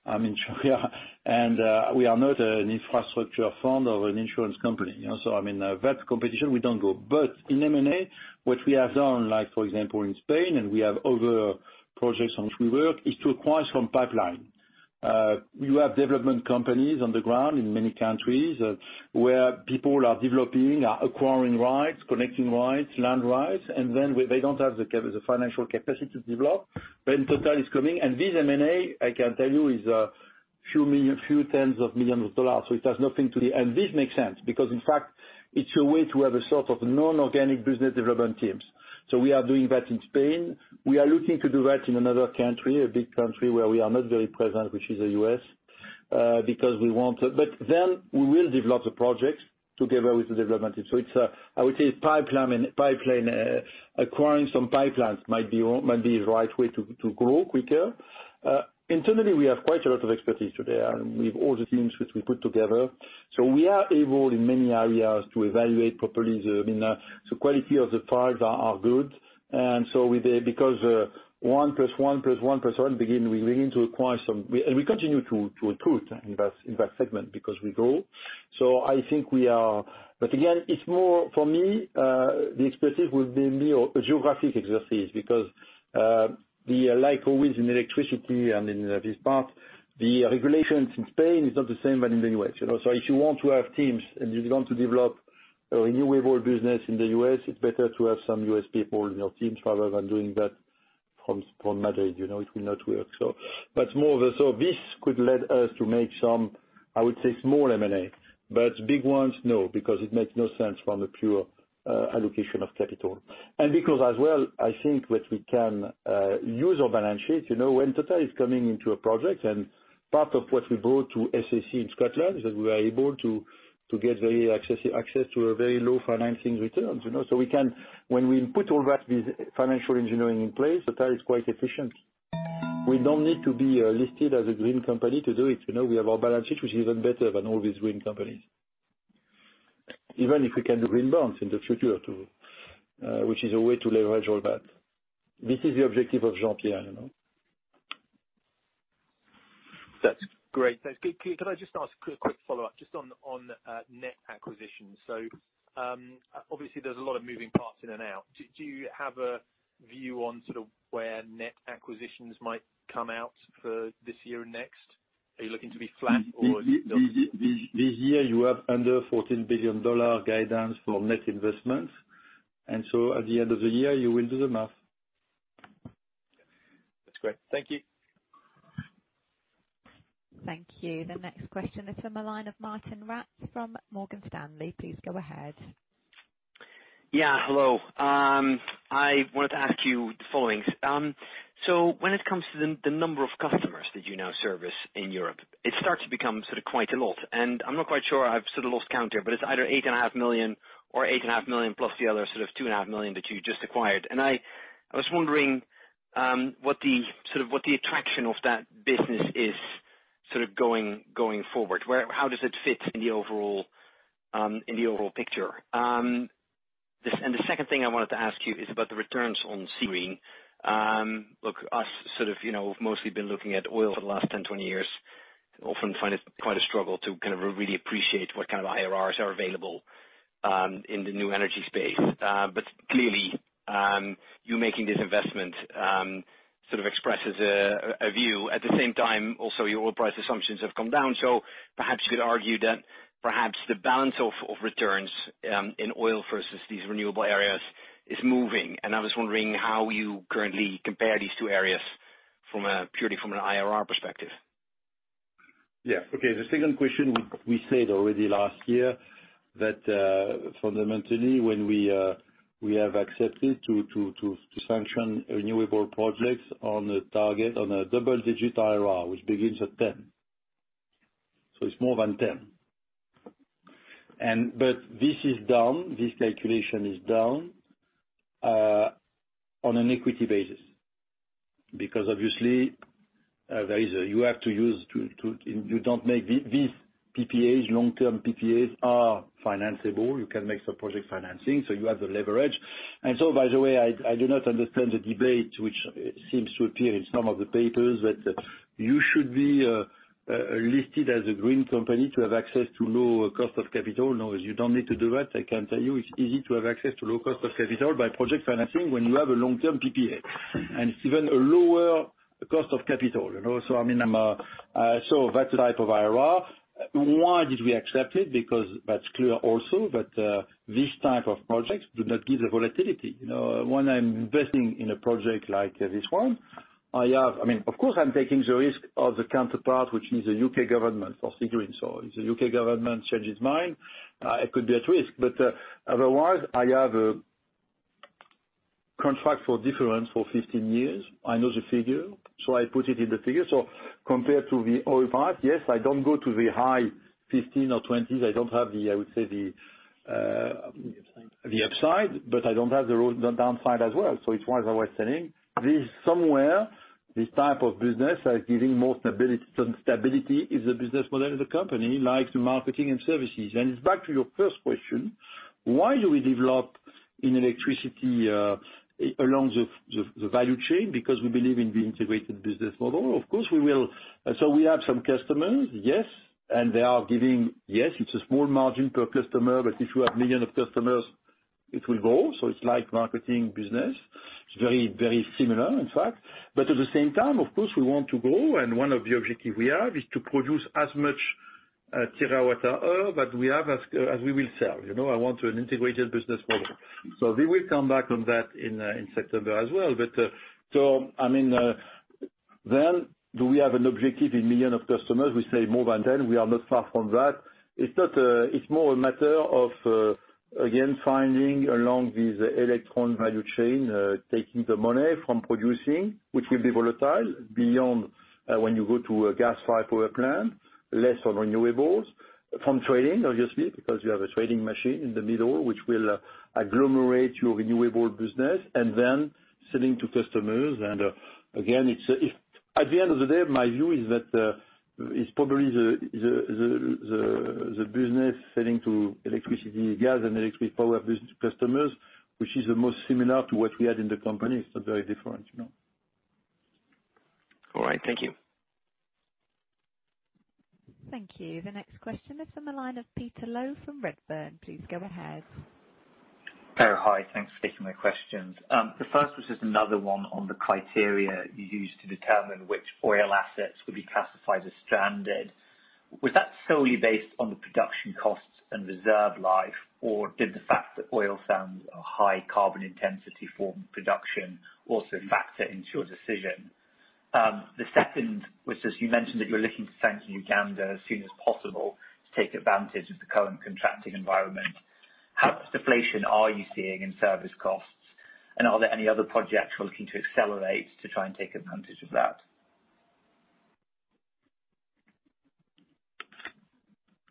I mean insurance, and we are not an infrastructure fund of an insurance company. That competition, we don't go. In M&A, what we have done, for example, in Spain, and we have other projects on which we work, is to acquire some pipeline. We have development companies on the ground in many countries, where people are developing, are acquiring rights, connecting rights, land rights, and they don't have the financial capacity to develop. Total is coming, and this M&A, I can tell you, is a few tens of millions of dollars. This makes sense, because in fact, it's a way to have a sort of non-organic business development teams. We are doing that in Spain. We are looking to do that in another country, a big country, where we are not very present, which is the U.S. because we want to. We will develop the projects together with the development team. I would say it's pipeline, acquiring some pipelines might be the right way to grow quicker. Internally, we have quite a lot of expertise today, and with all the teams which we put together. We are able, in many areas, to evaluate properly. The quality of the targets are good, because one plus one plus one plus one, we begin to acquire some. We continue to recruit in that segment because we grow. Again, it's more for me, the expertise will be more a geographic expertise because, like always in electricity and in this part, the regulations in Spain is not the same than in the U.S. If you want to have teams and you want to develop a renewable business in the U.S., it's better to have some U.S. people in your teams rather than doing that from Madrid. It will not work. This could lead us to make some, I would say, small M&A. Big ones, no, because it makes no sense from the pure allocation of capital. Because as well, I think what we can use our balance sheet. When Total is coming into a project, and part of what we brought to SSE in Scotland, is that we were able to get access to a very low financing returns. When we put all that, this financial engineering in place, Total is quite efficient. We don't need to be listed as a green company to do it. We have our balance sheet, which is even better than all these green companies. Even if we can do green bonds in the future too, which is a way to leverage all that. This is the objective of Jean-Pierre. That's great. Could I just ask a quick follow-up just on net acquisitions? Obviously, there's a lot of moving parts in and out. Do you have a view on sort of where net acquisitions might come out for this year and next? Are you looking to be flat or? This year, you have under $14 billion guidance for net investments. At the end of the year, you will do the math. That's great. Thank you. Thank you. The next question is from the line of Martijn Rats from Morgan Stanley. Please go ahead. Yeah. Hello. I wanted to ask you the following. When it comes to the number of customers that you now service in Europe, it starts to become sort of quite a lot, and I'm not quite sure, I've sort of lost count here, but it's either eight and a half million or eight and a half million plus the other sort of two and a half million that you just acquired. I was wondering what the attraction of that business is going forward. How does it fit in the overall picture? The second thing I wanted to ask you is about the returns on Seagreen. Look, us sort of mostly been looking at oil for the last 10, 20 years, often find it quite a struggle to kind of really appreciate what kind of IRRs are available in the new energy space. Clearly, you making this investment sort of expresses a view. At the same time, also your oil price assumptions have come down. Perhaps you could argue that perhaps the balance of returns in oil versus these renewable areas is moving. I was wondering how you currently compare these two areas purely from an IRR perspective. The second question, we said already last year that fundamentally, when we have accepted to sanction renewable projects on a target, on a double-digit IRR, which begins at 10. It's more than 10. This calculation is down on an equity basis. Obviously, these PPAs, long-term PPAs are financeable. You can make some project financing, you have the leverage. By the way, I do not understand the debate, which seems to appear in some of the papers, that you should be listed as a green company to have access to low cost of capital. You don't need to do that. I can tell you it's easy to have access to low cost of capital by project financing when you have a long-term PPA. It's even a lower cost of capital. That type of IRR. Why did we accept it? That's clear also, but these type of projects do not give the volatility. When I'm investing in a project like this one, of course I'm taking the risk of the counterpart, which is the U.K. government for Seagreen. If the U.K. government changes mind, it could be at risk. Otherwise, I have a contract for difference for 15 years. I know the figure, I put it in the figure. Compared to the oil part, yes, I don't go to the high 15 or 20s. I don't have the, I would say the upside, I don't have the downside as well. It's why as I was saying, this somewhere, this type of business is giving more stability in the business model of the company, like to marketing and services. It's back to your first question, why do we develop in electricity along the value chain? Because we believe in the integrated business model. Of course, we will. We have some customers, yes, they are giving, yes, it's a small margin per customer, but if you have million of customers, it will grow. It's like marketing business. It's very similar in fact, at the same time, of course, we want to grow and one of the objective we have is to produce as much kilowatt hour that we have as we will sell. I want an integrated business model. We will come back on that in September as well. Do we have an objective in million of customers? We say more than 10. We are not far from that. It's more a matter of, again, finding along this electron value chain, taking the money from producing, which will be volatile, beyond when you go to a gas fire power plant, less on renewables. From trading, obviously, because you have a trading machine in the middle, which will agglomerate your renewable business, and then selling to customers. Again, at the end of the day, my view is that, it's probably the business selling to electricity, gas and electric power business customers, which is the most similar to what we had in the company. It's not very different. All right. Thank you. Thank you. The next question is from the line of Peter Low from Redburn. Please go ahead. Pierre, hi. Thanks for taking my questions. The first was just another one on the criteria you use to determine which oil assets would be classified as stranded. Was that solely based on the production costs and reserve life, or did the fact that oil sands are high carbon intensity form production also factor into your decision? The second was, as you mentioned, that you're looking to sanction Uganda as soon as possible to take advantage of the current contracting environment. How much deflation are you seeing in service costs? Are there any other projects you are looking to accelerate to try and take advantage of that?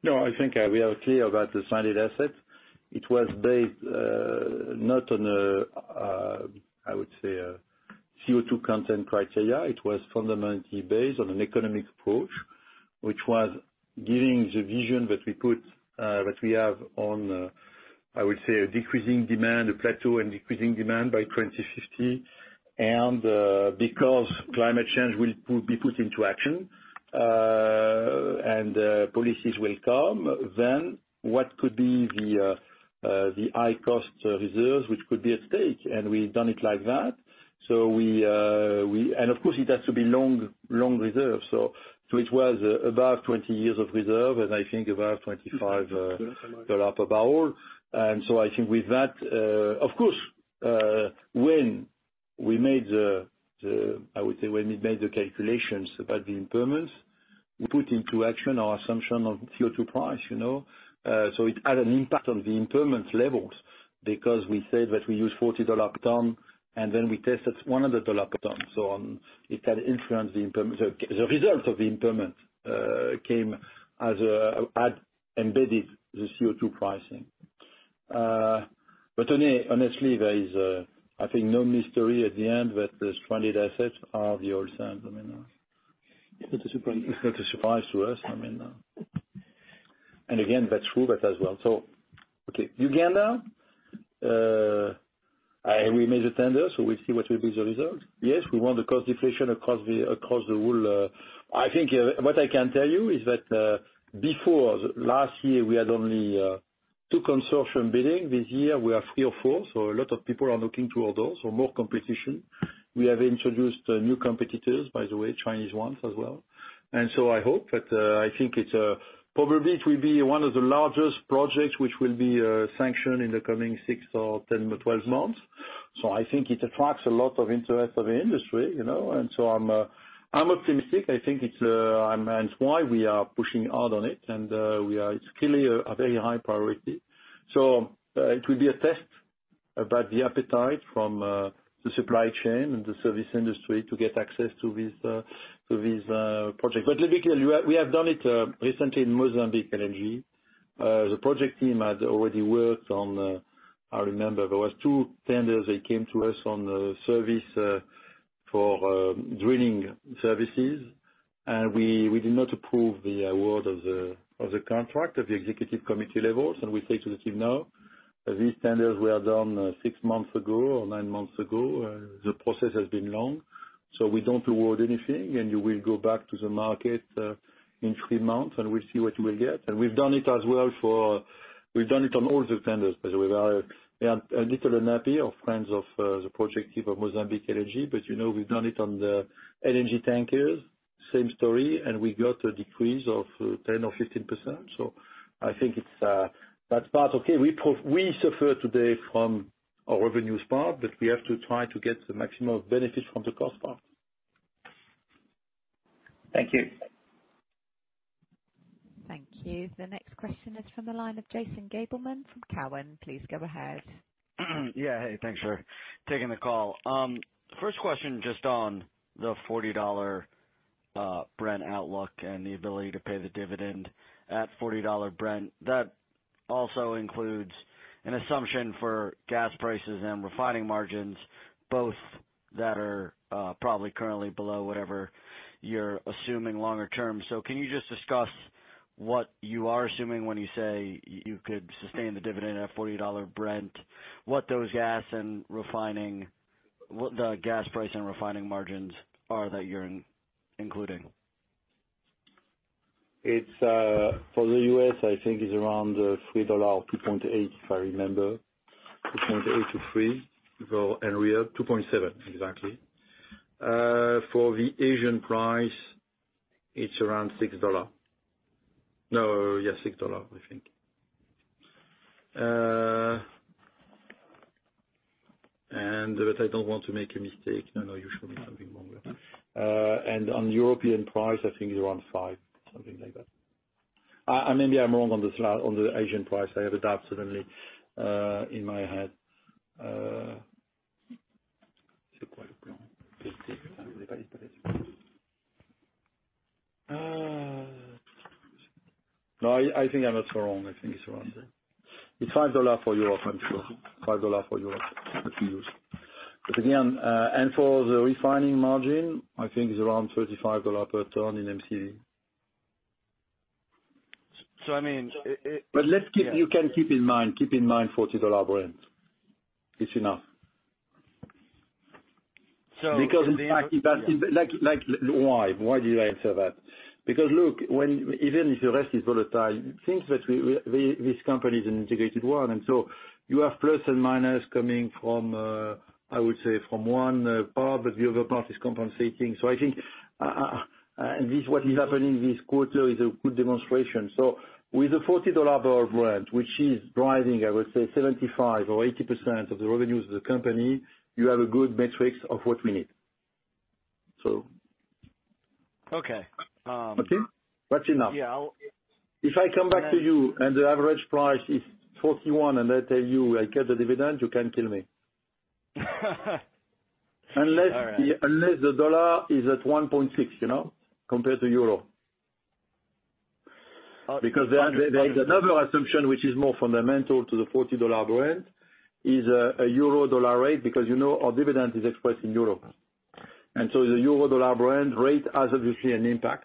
No, I think we are clear about the stranded assets. It was based, not on a CO2 content criteria. It was fundamentally based on an economic approach, which was giving the vision that we have on a decreasing demand, a plateau and decreasing demand by 2050. Because climate change will be put into action, and policies will come, what could be the high cost reserves, which could be at stake, and we've done it like that. It has to be long reserves. It was above 20 years of reserve, and I think above $25 per barrel. I think with that, of course, when we made the calculations about the impairments, we put into action our assumption of CO2 price. It had an impact on the impairment levels because we said that we use $40 a ton, and then we tested $100 a ton. It had influence, the results of the impairment, came as embedded the CO2 pricing. Honestly, there is, I think, no mystery at the end that the stranded assets are the oil sands. It's not a surprise to us. Again, that's true, that as well. Okay. Uganda, we made a tender. We'll see what will be the result. Yes, we want the cost deflation. I think what I can tell you is that, before last year, we had only two consortium bidding. This year, we have three or four. A lot of people are looking to orders. More competition. We have introduced new competitors, by the way, Chinese ones as well. I hope that, I think probably it will be one of the largest projects which will be sanctioned in the coming six or 10-12 months. I think it attracts a lot of interest of the industry. I'm optimistic. It's why we are pushing hard on it. It's clearly a very high priority. It will be a test about the appetite from the supply chain and the service industry to get access to this project. Let me be clear, we have done it recently in Mozambique LNG. The project team had already worked on, I remember there was two tenders, they came to us on service for drilling services. We did not approve the award of the contract at the executive committee levels. We said to the team, "No, these tenders were done six months ago or nine months ago. The process has been long, so we don't award anything, and you will go back to the market in three months, and we'll see what you will get." We've done it on all the tenders, by the way. They are a little unhappy, our friends of the project team of Mozambique LNG, but we've done it on the LNG tankers, same story, and we got a decrease of 10%-15%. I think that's part okay. We suffer today from our revenues part, but we have to try to get the maximum benefit from the cost part. Thank you. Thank you. The next question is from the line of Jason Gabelman from Cowen. Please go ahead. Yeah. Hey, thanks for taking the call. First question, just on the $40 Brent outlook and the ability to pay the dividend at $40 Brent. That also includes an assumption for gas prices and refining margins, both that are probably currently below whatever you're assuming longer term. Can you just discuss what you are assuming when you say you could sustain the dividend at $40 Brent? What the gas price and refining margins are that you're including? For the U.S., I think it's around $3, $2.8, if I remember. $2.8-$3 for Enria. $2.7, exactly. For the Asian price, it's around $6. No. Yeah, $6 I think. I don't want to make a mistake. No, you show me something wrong. On European price, I think it's around $5, something like that. Maybe I'm wrong on the Asian price. I have it absolutely in my head. No, I think I'm not so wrong. I think it's around there. It's $5 for Europe, I'm sure. $5 for Europe. Again, for the refining margin, I think it's around $35 per ton in MCV. I mean. You can keep in mind $40 Brent. It's enough. So- In fact, like why? Why did I answer that? Look, even if the rest is volatile, things that this company is an integrated one, and so you have plus and minus coming from, I would say, from one part, but the other part is compensating. I think, and this, what is happening this quarter, is a good demonstration. With a $40 barrel of Brent, which is driving, I would say 75% or 80% of the revenues of the company, you have a good matrix of what we need. Okay. Okay? That's enough. Yeah. If I come back to you and the average price is $41, and I tell you I cut the dividend, you can kill me. All right. Unless the dollar is at $1.6 compared to euro. Oh, okay. Because there is another assumption which is more fundamental to the $40 Brent, is a euro/dollar rate. Because our dividend is expressed in euro. The euro/dollar Brent rate has, obviously, an impact.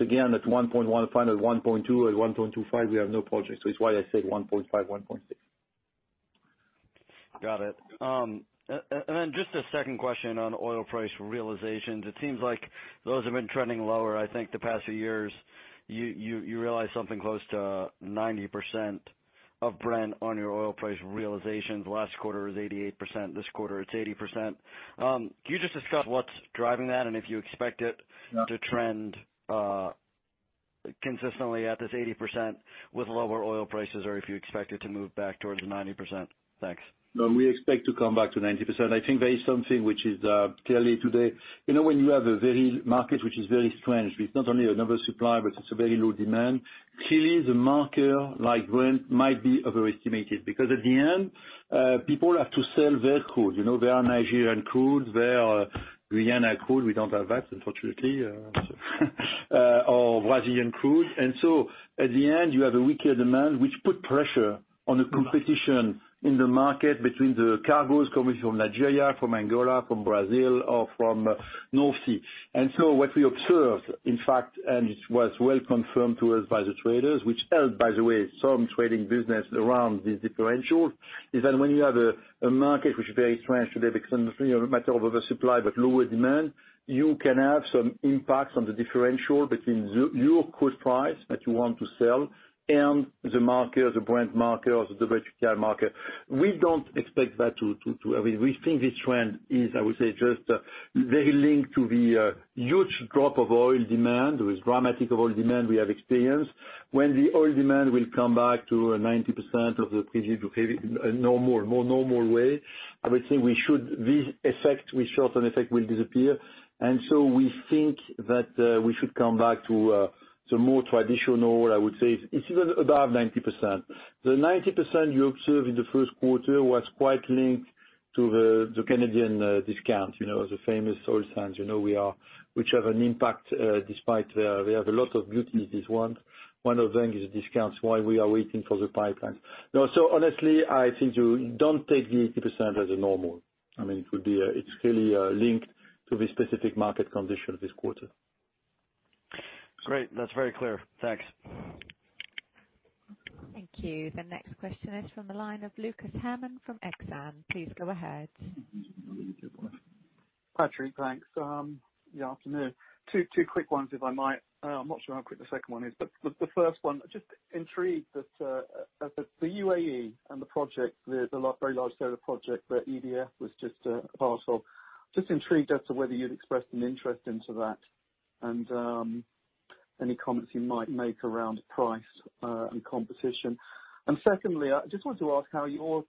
Again, at 1.15, at 1.2, at 1.25, we have no project. It's why I say 1.5, 1.6. Got it. Just a second question on oil price realizations. It seems like those have been trending lower, I think, the past few years. You realize something close to 90% of Brent on your oil price realizations. Last quarter is 88%, this quarter it's 80%. Can you just discuss what's driving that and if you expect it to trend consistently at this 80% with lower oil prices, or if you expect it to move back towards the 90%? Thanks. We expect to come back to 90%. I think there is something which is clearly today. When you have a market which is very strange, but it's not only a number of supply, but it's a very low demand. Clearly, the market like Brent might be overestimated, because at the end, people have to sell their crude. There are Nigerian crudes, there are Guyana crude. We don't have that, unfortunately. Brazilian crude. At the end, you have a weaker demand, which put pressure on the competition in the market between the cargos coming from Nigeria, from Angola, from Brazil, or from North Sea. What we observed, in fact, and it was well confirmed to us by the traders, which helped, by the way, some trading business around this differential, is that when you have a market which is very strange today because matter of oversupply but lower demand, you can have some impacts on the differential between your crude price that you want to sell and the market, the Brent market or the WTI market. We think this trend is, I would say, just very linked to the huge drop of oil demand. There is dramatic of oil demand we have experienced. When the oil demand will come back to 90% of the previous, to a more normal way, I would say this effect, which short-term effect, will disappear. We think that we should come back to more traditional, I would say, above 90%. The 90% you observe in the first quarter was quite linked to the Canadian discount, the famous Oil sands, which have an impact, despite we have a lot of duties. One of them is discounts while we are waiting for the pipeline. Honestly, I think you don't take the 80% as a normal. It's clearly linked to the specific market condition this quarter. Great. That's very clear. Thanks. Thank you. The next question is from the line of Lucas Herrmann from Exane. Please go ahead. Patrick, thanks. Yeah, afternoon. Two quick ones, if I might. I'm not sure how quick the second one is, but the first one, just intrigued that the UAE and the project, the very large solar project that EDF was just a part of. Just intrigued as to whether you'd expressed an interest into that and any comments you might make around price and competition. Secondly, I just wanted to ask how your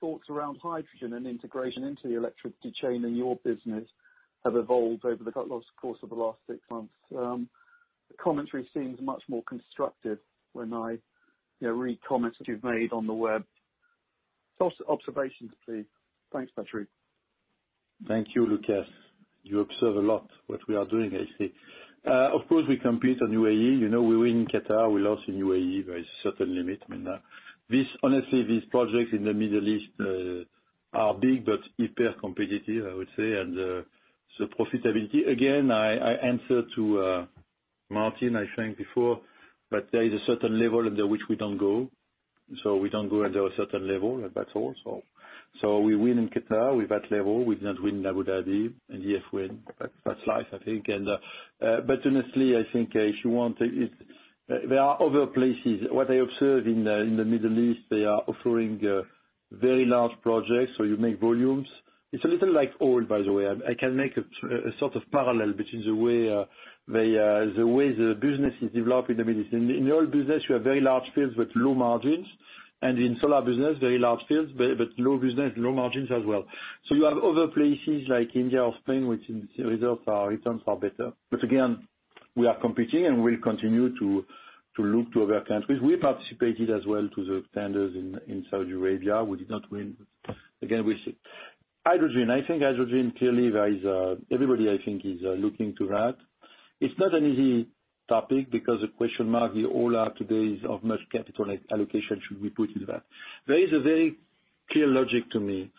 thoughts around hydrogen and integration into the electricity chain in your business have evolved over the course of the last six months. The commentary seems much more constructive when I read comments that you've made on the web. Source observations, please. Thanks, Patrick. Thank you, Lucas. You observe a lot what we are doing, I see. Of course, we compete on UAE. We win Qatar, we lost in UAE. There is a certain limit. Honestly, these projects in the Middle East are big but equally competitive, I would say. Profitability, again, I answered to Martin, I think before, but there is a certain level under which we don't go. We don't go under a certain level, and that's all. We win in Qatar with that level. We did not win Abu Dhabi, and EDF win. That's life, I think. Honestly, I think if you want, there are other places. What I observe in the Middle East, they are offering very large projects, so you make volumes. It's a little like oil, by the way. I can make a sort of parallel between the way the business is developing. In the oil business, you have very large fields with low margins, in solar business, very large fields, but low business, low margins as well. You have other places like India or Spain, which in results our returns are better. Again, we are competing and we'll continue to look to other countries. We participated as well to the tenders in Saudi Arabia. We did not win. Again, we see. Hydrogen. I think hydrogen clearly, everybody is looking to that. It's not an easy topic because the question mark we all have today is of how much capital allocation should we put into that? There is a very clear logic to me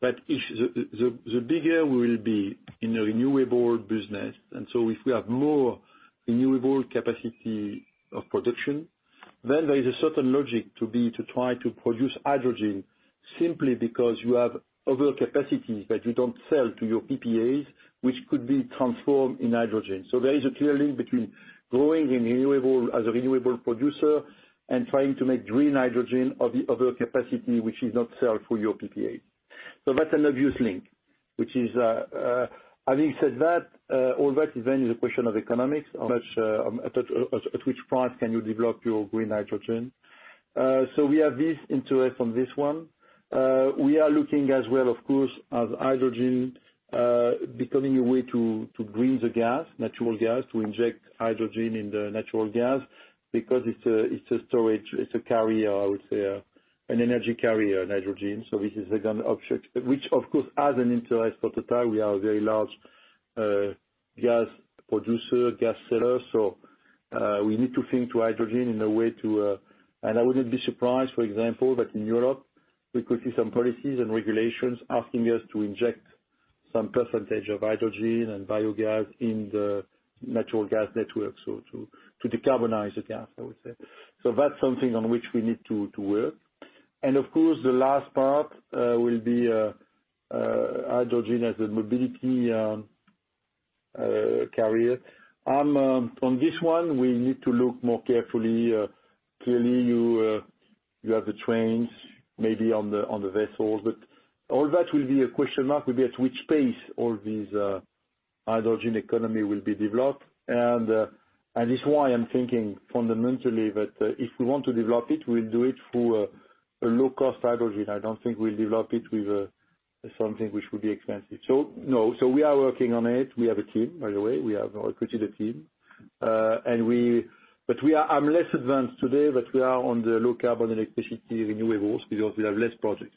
that the bigger we will be in the renewable business, if we have more renewable capacity of production, there is a certain logic to try to produce hydrogen simply because you have other capacities that you don't sell to your PPAs, which could be transformed in hydrogen. There is a clear link between growing as a renewable producer and trying to make green hydrogen of the other capacity, which is not sell for your PPA. That's an obvious link. Having said that, all that then is a question of economics. At which point can you develop your green hydrogen? We have this interest on this one. We are looking as well, of course, as hydrogen becoming a way to green the gas, natural gas, to inject hydrogen in the natural gas because it's a storage, it's a carrier, I would say, an energy carrier in hydrogen. This is again, an option. Which, of course, has an interest for Total. We are a very large gas producer, gas seller. We need to think to hydrogen in a way, and I wouldn't be surprised, for example, that in Europe we could see some policies and regulations asking us to inject some percentage of hydrogen and biogas in the natural gas network. To decarbonize the gas, I would say. That's something on which we need to work. Of course, the last part will be hydrogen as a mobility carrier. On this one, we need to look more carefully. Clearly, you have the trains, maybe on the vessels, but all that will be a question mark, will be at which pace all these hydrogen economy will be developed. This is why I'm thinking fundamentally, that if we want to develop it, we'll do it through a low-cost hydrogen. I don't think we'll develop it with something which will be expensive. No, we are working on it. We have a team, by the way. We have recruited a team. I'm less advanced today, but we are on the low-carbon electricity renewables because we have less projects.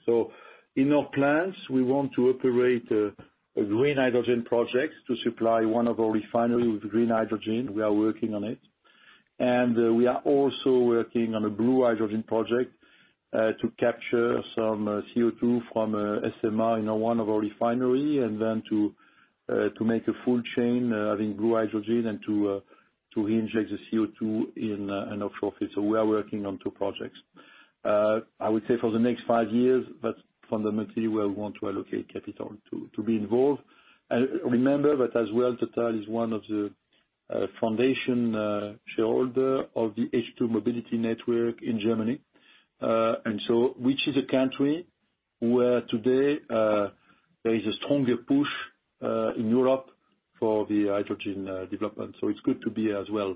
In our plans, we want to operate a green hydrogen project to supply one of our refineries with green hydrogen. We are working on it. We are also working on a blue hydrogen project, to capture some CO2 from SMR in one of our refineries, and then to make a full chain having blue hydrogen and to reinject the CO2 in an offshore field. We are working on two projects. I would say for the next five years, that's fundamentally where we want to allocate capital to be involved. Remember that as well, Total is one of the foundation shareholder of the H2 MOBILITY Network in Germany. Which is a country where today, there is a stronger push in Europe for the hydrogen development. It's good to be as well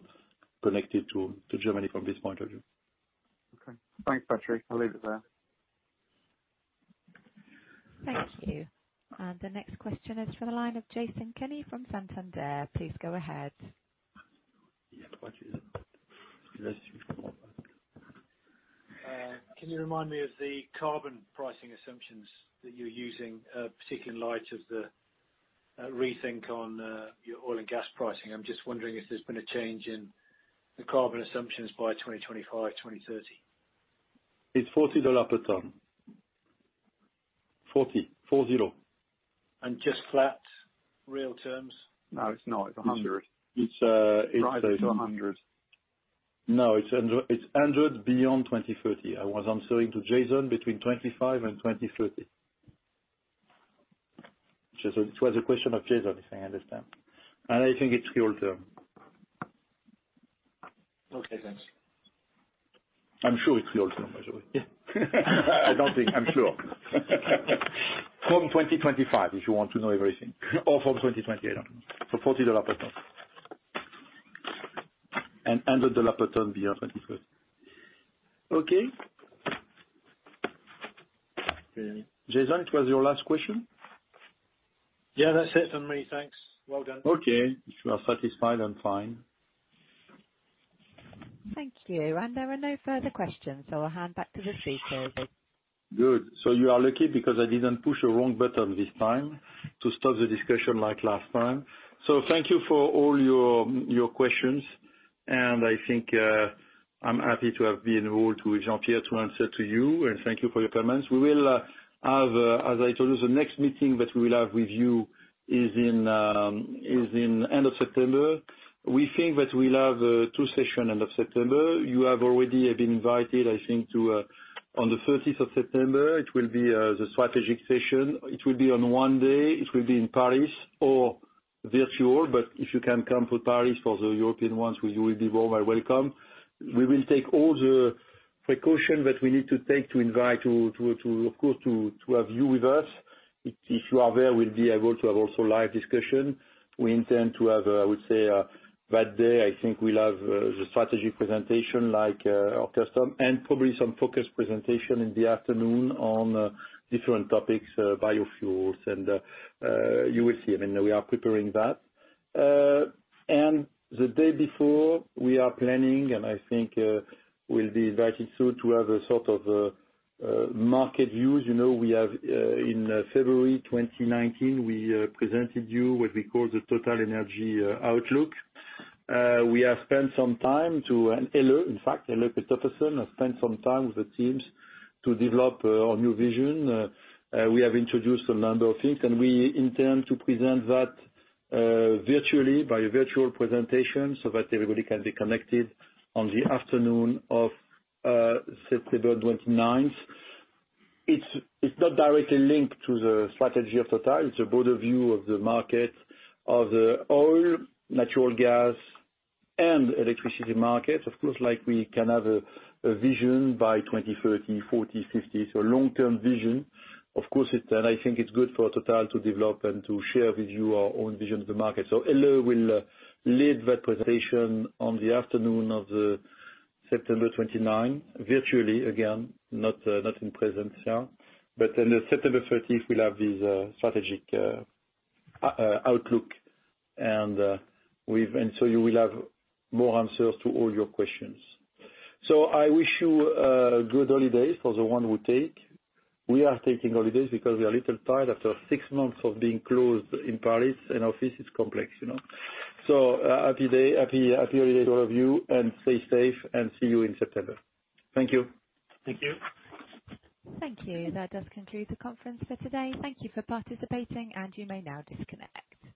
connected to Germany from this point of view. Okay. Thanks, Patrick. I'll leave it there. Thank you. The next question is from the line of Jason Kenney from Santander. Please go ahead. Yeah. Can you remind me of the carbon pricing assumptions that you're using, particularly in light of the rethink on your oil and gas pricing? I'm just wondering if there's been a change in the carbon assumptions by 2025, 2030. It's $40 per ton. $40. Four, zero. Just flat, real terms? No, it's not. It's $100. It's, uh- Rise to $100. It's $100 beyond 2030. I was answering to Jason between 2025 and 2030. Which was a question of Jason, if I understand. I think it's real term. Okay, thanks. I'm sure it's real term, by the way. I don't think, I'm sure. From 2025, if you want to know everything. From 2028. $40 per ton. $100 per ton beyond 2030. Okay? Jason, it was your last question? Yeah, that's it from me. Thanks. Well done. Okay. If you are satisfied, I'm fine. Thank you. There are no further questions, I'll hand back to the speakers. Good. You are lucky because I didn't push a wrong button this time to stop the discussion like last time. Thank you for all your questions, and I think, I'm happy to have been involved with Jean-Pierre to answer to you, and thank you for your comments. As I told you, the next meeting that we will have with you is in end of September. We think that we'll have two sessions end of September. You have already been invited, I think, on the 30th of September. It will be the strategic session. It will be on one day. It will be in Paris or virtual. If you can come to Paris for the European ones, you will be more than welcome. We will take all the precautions that we need to take to invite, of course, to have ou with us. If you are there, we'll be able to have also live discussion. We intend to have, I would say, that day, I think we'll have the strategy presentation like our custom and probably some focus presentation in the afternoon on different topics, biofuels, and you will see. We are preparing that. The day before, we are planning, and I think, we'll be invited soon to have a sort of market views. In February 2019, we presented you what we call the Total Energy Outlook. We have spent some time to Helle Kristoffersen has spent some time with the teams to develop our new vision. We have introduced a number of things, and we intend to present that virtually by virtual presentation so that everybody can be connected on the afternoon of September 29th. It's not directly linked to the strategy of Total. It's a broader view of the market, of the oil, natural gas, and electricity market. Of course, like we can have a vision by 2030, 2040, 2050. Long-term vision. Of course, I think it's good for TotalEnergies to develop and to share with you our own vision of the market. Helle will lead that presentation on the afternoon of September 29, virtually again, not in presence. In September 30th, we'll have this strategic outlook. You will have more answers to all your questions. I wish you good holidays for the one who take. We are taking holidays because we are a little tired after six months of being closed in Paris, in office, it's complex. Happy day, happy holiday to all of you, and stay safe, and see you in September. Thank you. Thank you. Thank you. That does conclude the conference for today. Thank you for participating. You may now disconnect.